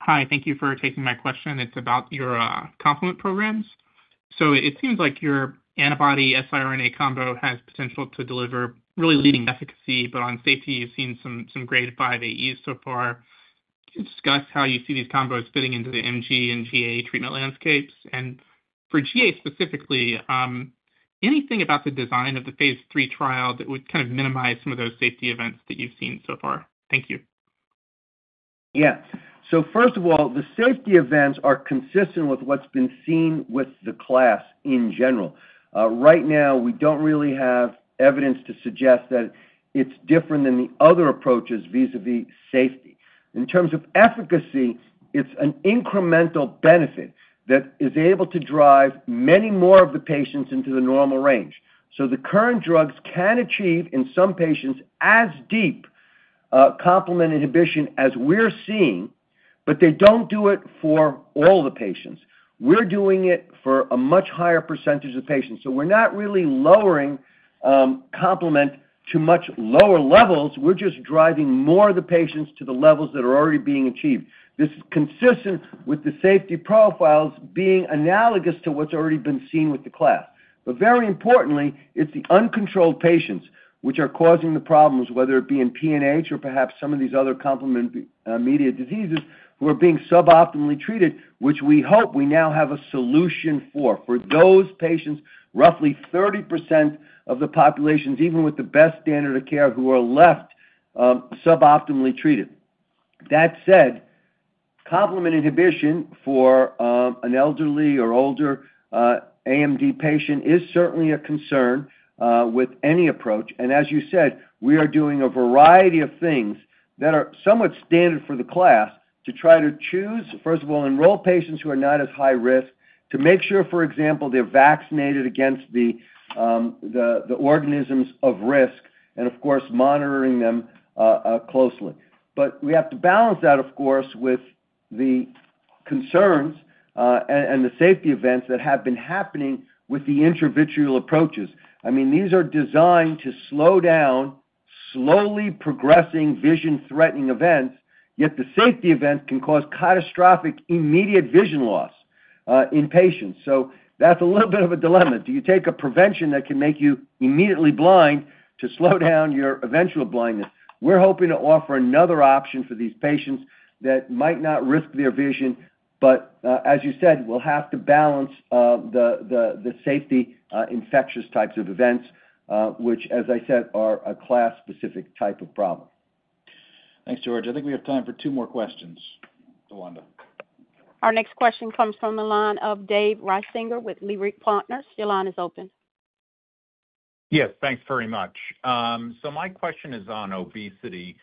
S15: Hi, thank you for taking my question. It's about your complement programs. So, it seems like your antibody siRNA combo has potential to deliver really leading efficacy, but on safety, you've seen some grade 5 AEs so far. Can you discuss how you see these combos fitting into the MG and GA treatment landscapes? For GA specifically, anything about the design of the phase three trial that would kind of minimize some of those safety events that you've seen so far? Thank you.
S4: Yeah. First of all, the safety events are consistent with what's been seen with the class in general. Right now, we don't really have evidence to suggest that it's different than the other approaches vis-à-vis safety. In terms of efficacy, it's an incremental benefit that is able to drive many more of the patients into the normal range. The current drugs can achieve, in some patients, as deep complement inhibition as we're seeing, but they don't do it for all the patients. We're doing it for a much higher percentage of patients. We're not really lowering complement to much lower levels. We're just driving more of the patients to the levels that are already being achieved. This is consistent with the safety profiles being analogous to what's already been seen with the class. But very importantly, it's the uncontrolled patients which are causing the problems, whether it be in PNH or perhaps some of these other complement-mediated diseases who are being suboptimally treated, which we hope we now have a solution for, for those patients, roughly 30% of the population, even with the best standard of care, who are left suboptimally treated. That said, complement inhibition for an elderly or older AMD patient is certainly a concern with any approach and, as you said, we are doing a variety of things that are somewhat standard for the class to try to choose, first of all, enroll patients who are not as high risk, to make sure, for example, they're vaccinated against the organisms of risk, and of course, monitoring them closely. But we have to balance that, of course, with the concerns and the safety events that have been happening with the intravitreal approaches. I mean, these are designed to slow down slowly progressing vision-threatening events, yet the safety event can cause catastrophic immediate vision loss in patients. So, that's a little bit of a dilemma. Do you take a prevention that can make you immediately blind to slow down your eventual blindness? We're hoping to offer another option for these patients that might not risk their vision, but as you said, we'll have to balance the safety infectious types of events, which, as I said, are a class-specific type of problem.
S2: Thanks, George. I think we have time for two more questions, Tawanda.
S1: Our next question comes from the line of David Risinger with Leerink Partners. Your line is open.
S16: Yes. Thanks very much. So, my question is on obesity.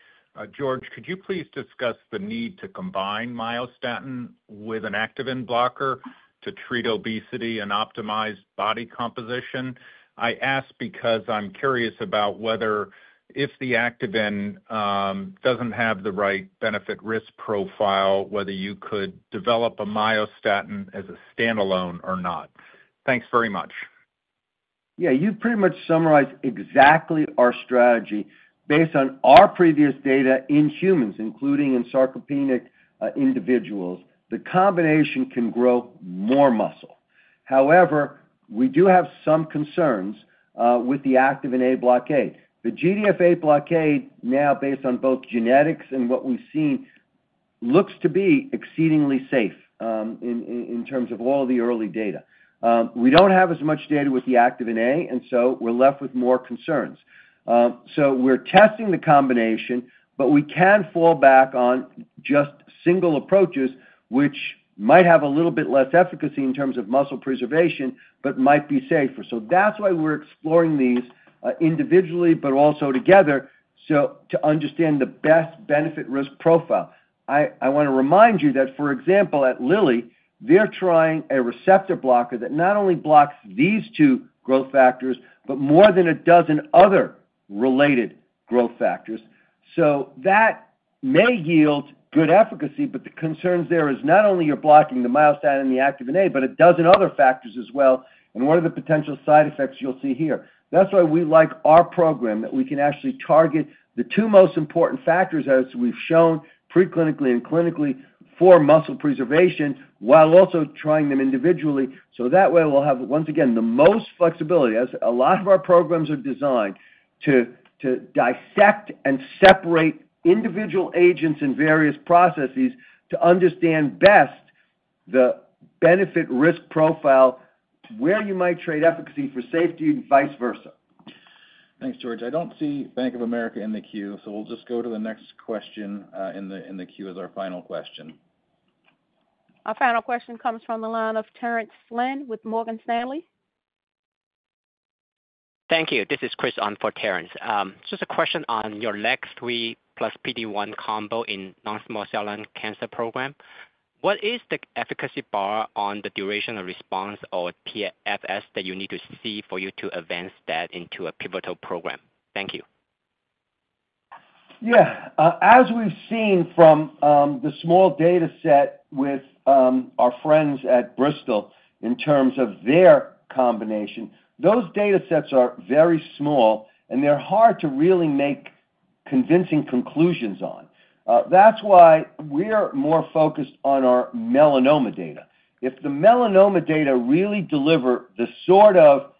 S16: George, could you please discuss the need to combine myostatin with an Activin blocker to treat obesity and optimize body composition? I ask because I'm curious about whether, if the Activin doesn't have the right benefit-risk profile, whether you could develop a myostatin as a standalone or not. Thanks very much.
S4: Yeah. You pretty much summarized exactly our strategy. Based on our previous data in humans, including in sarcopenic individuals, the combination can grow more muscle. However, we do have some concerns with the Activin A blockade. The GDF8 blockade, now based on both genetics and what we've seen, looks to be exceedingly safe in terms of all of the early data. We don't have as much data with the Activin A, and so we're left with more concerns. We're testing the combination, but we can fall back on just single approaches, which might have a little bit less efficacy in terms of muscle preservation, but might be safer. That's why we're exploring these individually, but also together, to understand the best benefit-risk profile. I want to remind you that, for example, at Lilly, they're trying a receptor blocker that not only blocks these two growth factors, but more than a dozen other related growth factors. That may yield good efficacy, but the concerns there are not only you're blocking the myostatin and the Activin A, but a dozen other factors as well, and what are the potential side effects you'll see here. That's why we like our program, that we can actually target the two most important factors, as we've shown preclinically and clinically, for muscle preservation while also trying them individually. So, that way, we'll have, once again, the most flexibility, as a lot of our programs are designed to dissect and separate individual agents in various processes to understand best the benefit-risk profile, where you might trade efficacy for safety and vice versa.
S2: Thanks, George. I don't see Bank of America in the queue, so we'll just go to the next question in the queue as our final question.
S1: Our final question comes from the line of Terrence Flynn with Morgan Stanley.
S17: Thank you. This is Chris on for Terrence. Just a question on your LAG-3 plus PD-1 combo in non-small cell lung cancer program. What is the efficacy bar on the duration of response or TFS that you need to see for you to advance that into a pivotal program? Thank you.
S4: Yeah. As we've seen from the small data set with our friends at Bristol in terms of their combination, those data sets are very small, and they're hard to really make convincing conclusions on. That's why we're more focused on our melanoma data. If the melanoma data really deliver the sort of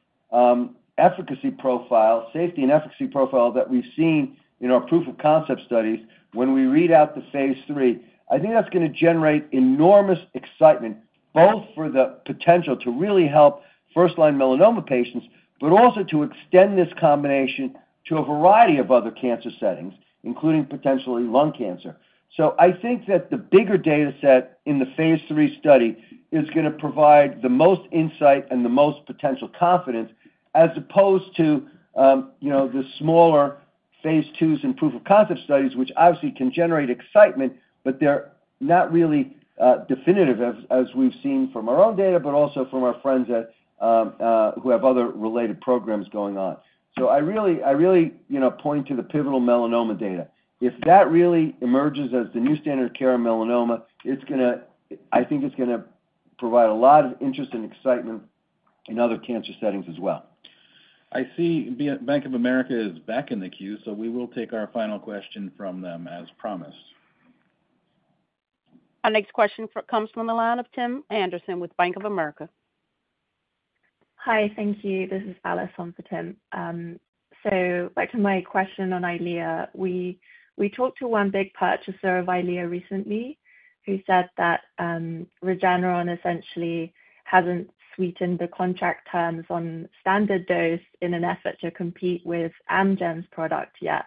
S4: efficacy profile, safety and efficacy profile that we've seen in our proof-of-concept studies, when we read out the phase 3, I think that's going to generate enormous excitement, both for the potential to really help first-line melanoma patients, but also to extend this combination to a variety of other cancer settings, including potentially lung cancer. I think that the bigger data set in the phase 3 study is going to provide the most insight and the most potential confidence, as opposed to the smaller phase 2s in proof-of-concept studies, which obviously can generate excitement, but they're not really definitive, as we've seen from our own data, but also from our friends who have other related programs going on. I really point to the pivotal melanoma data. If that really emerges as the new standard of care in melanoma, I think it's going to provide a lot of interest and excitement in other cancer settings as well.
S2: I see Bank of America is back in the queue, so we will take our final question from them, as promised.
S1: Our next question comes from the line of Tim Anderson with Bank of America.
S13: Hi, thank you. This is Alice Nettleton, Tim. So, back to my question on Eylea, we talked to one big purchaser of Eylea recently who said that Regeneron essentially hasn't sweetened the contract terms on standard dose in an effort to compete with Amgen's product yet.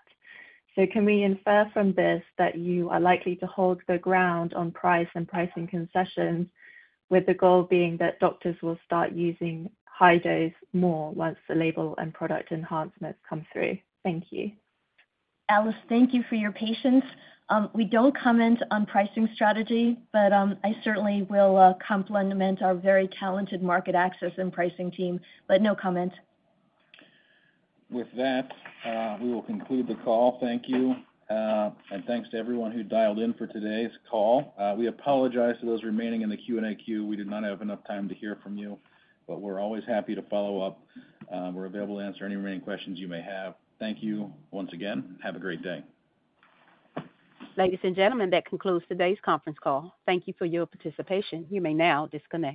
S13: So, can we infer from this that you are likely to hold the ground on price and pricing concessions, with the goal being that doctors will start using high dose more once the label and product enhancements come through? Thank you.
S5: Alice, thank you for your patience. We don't comment on pricing strategy, but I certainly will compliment our very talented market access and pricing team, but no comment.
S2: With that, we will conclude the call. Thank you. And thanks to everyone who dialed in for today's call. We apologize to those remaining in the Q&A queue. We did not have enough time to hear from you, but we're always happy to follow up. We're available to answer any remaining questions you may have. Thank you once again. Have a great day.
S1: Ladies and gentlemen, that concludes today's conference call. Thank you for your participation. You may now disconnect.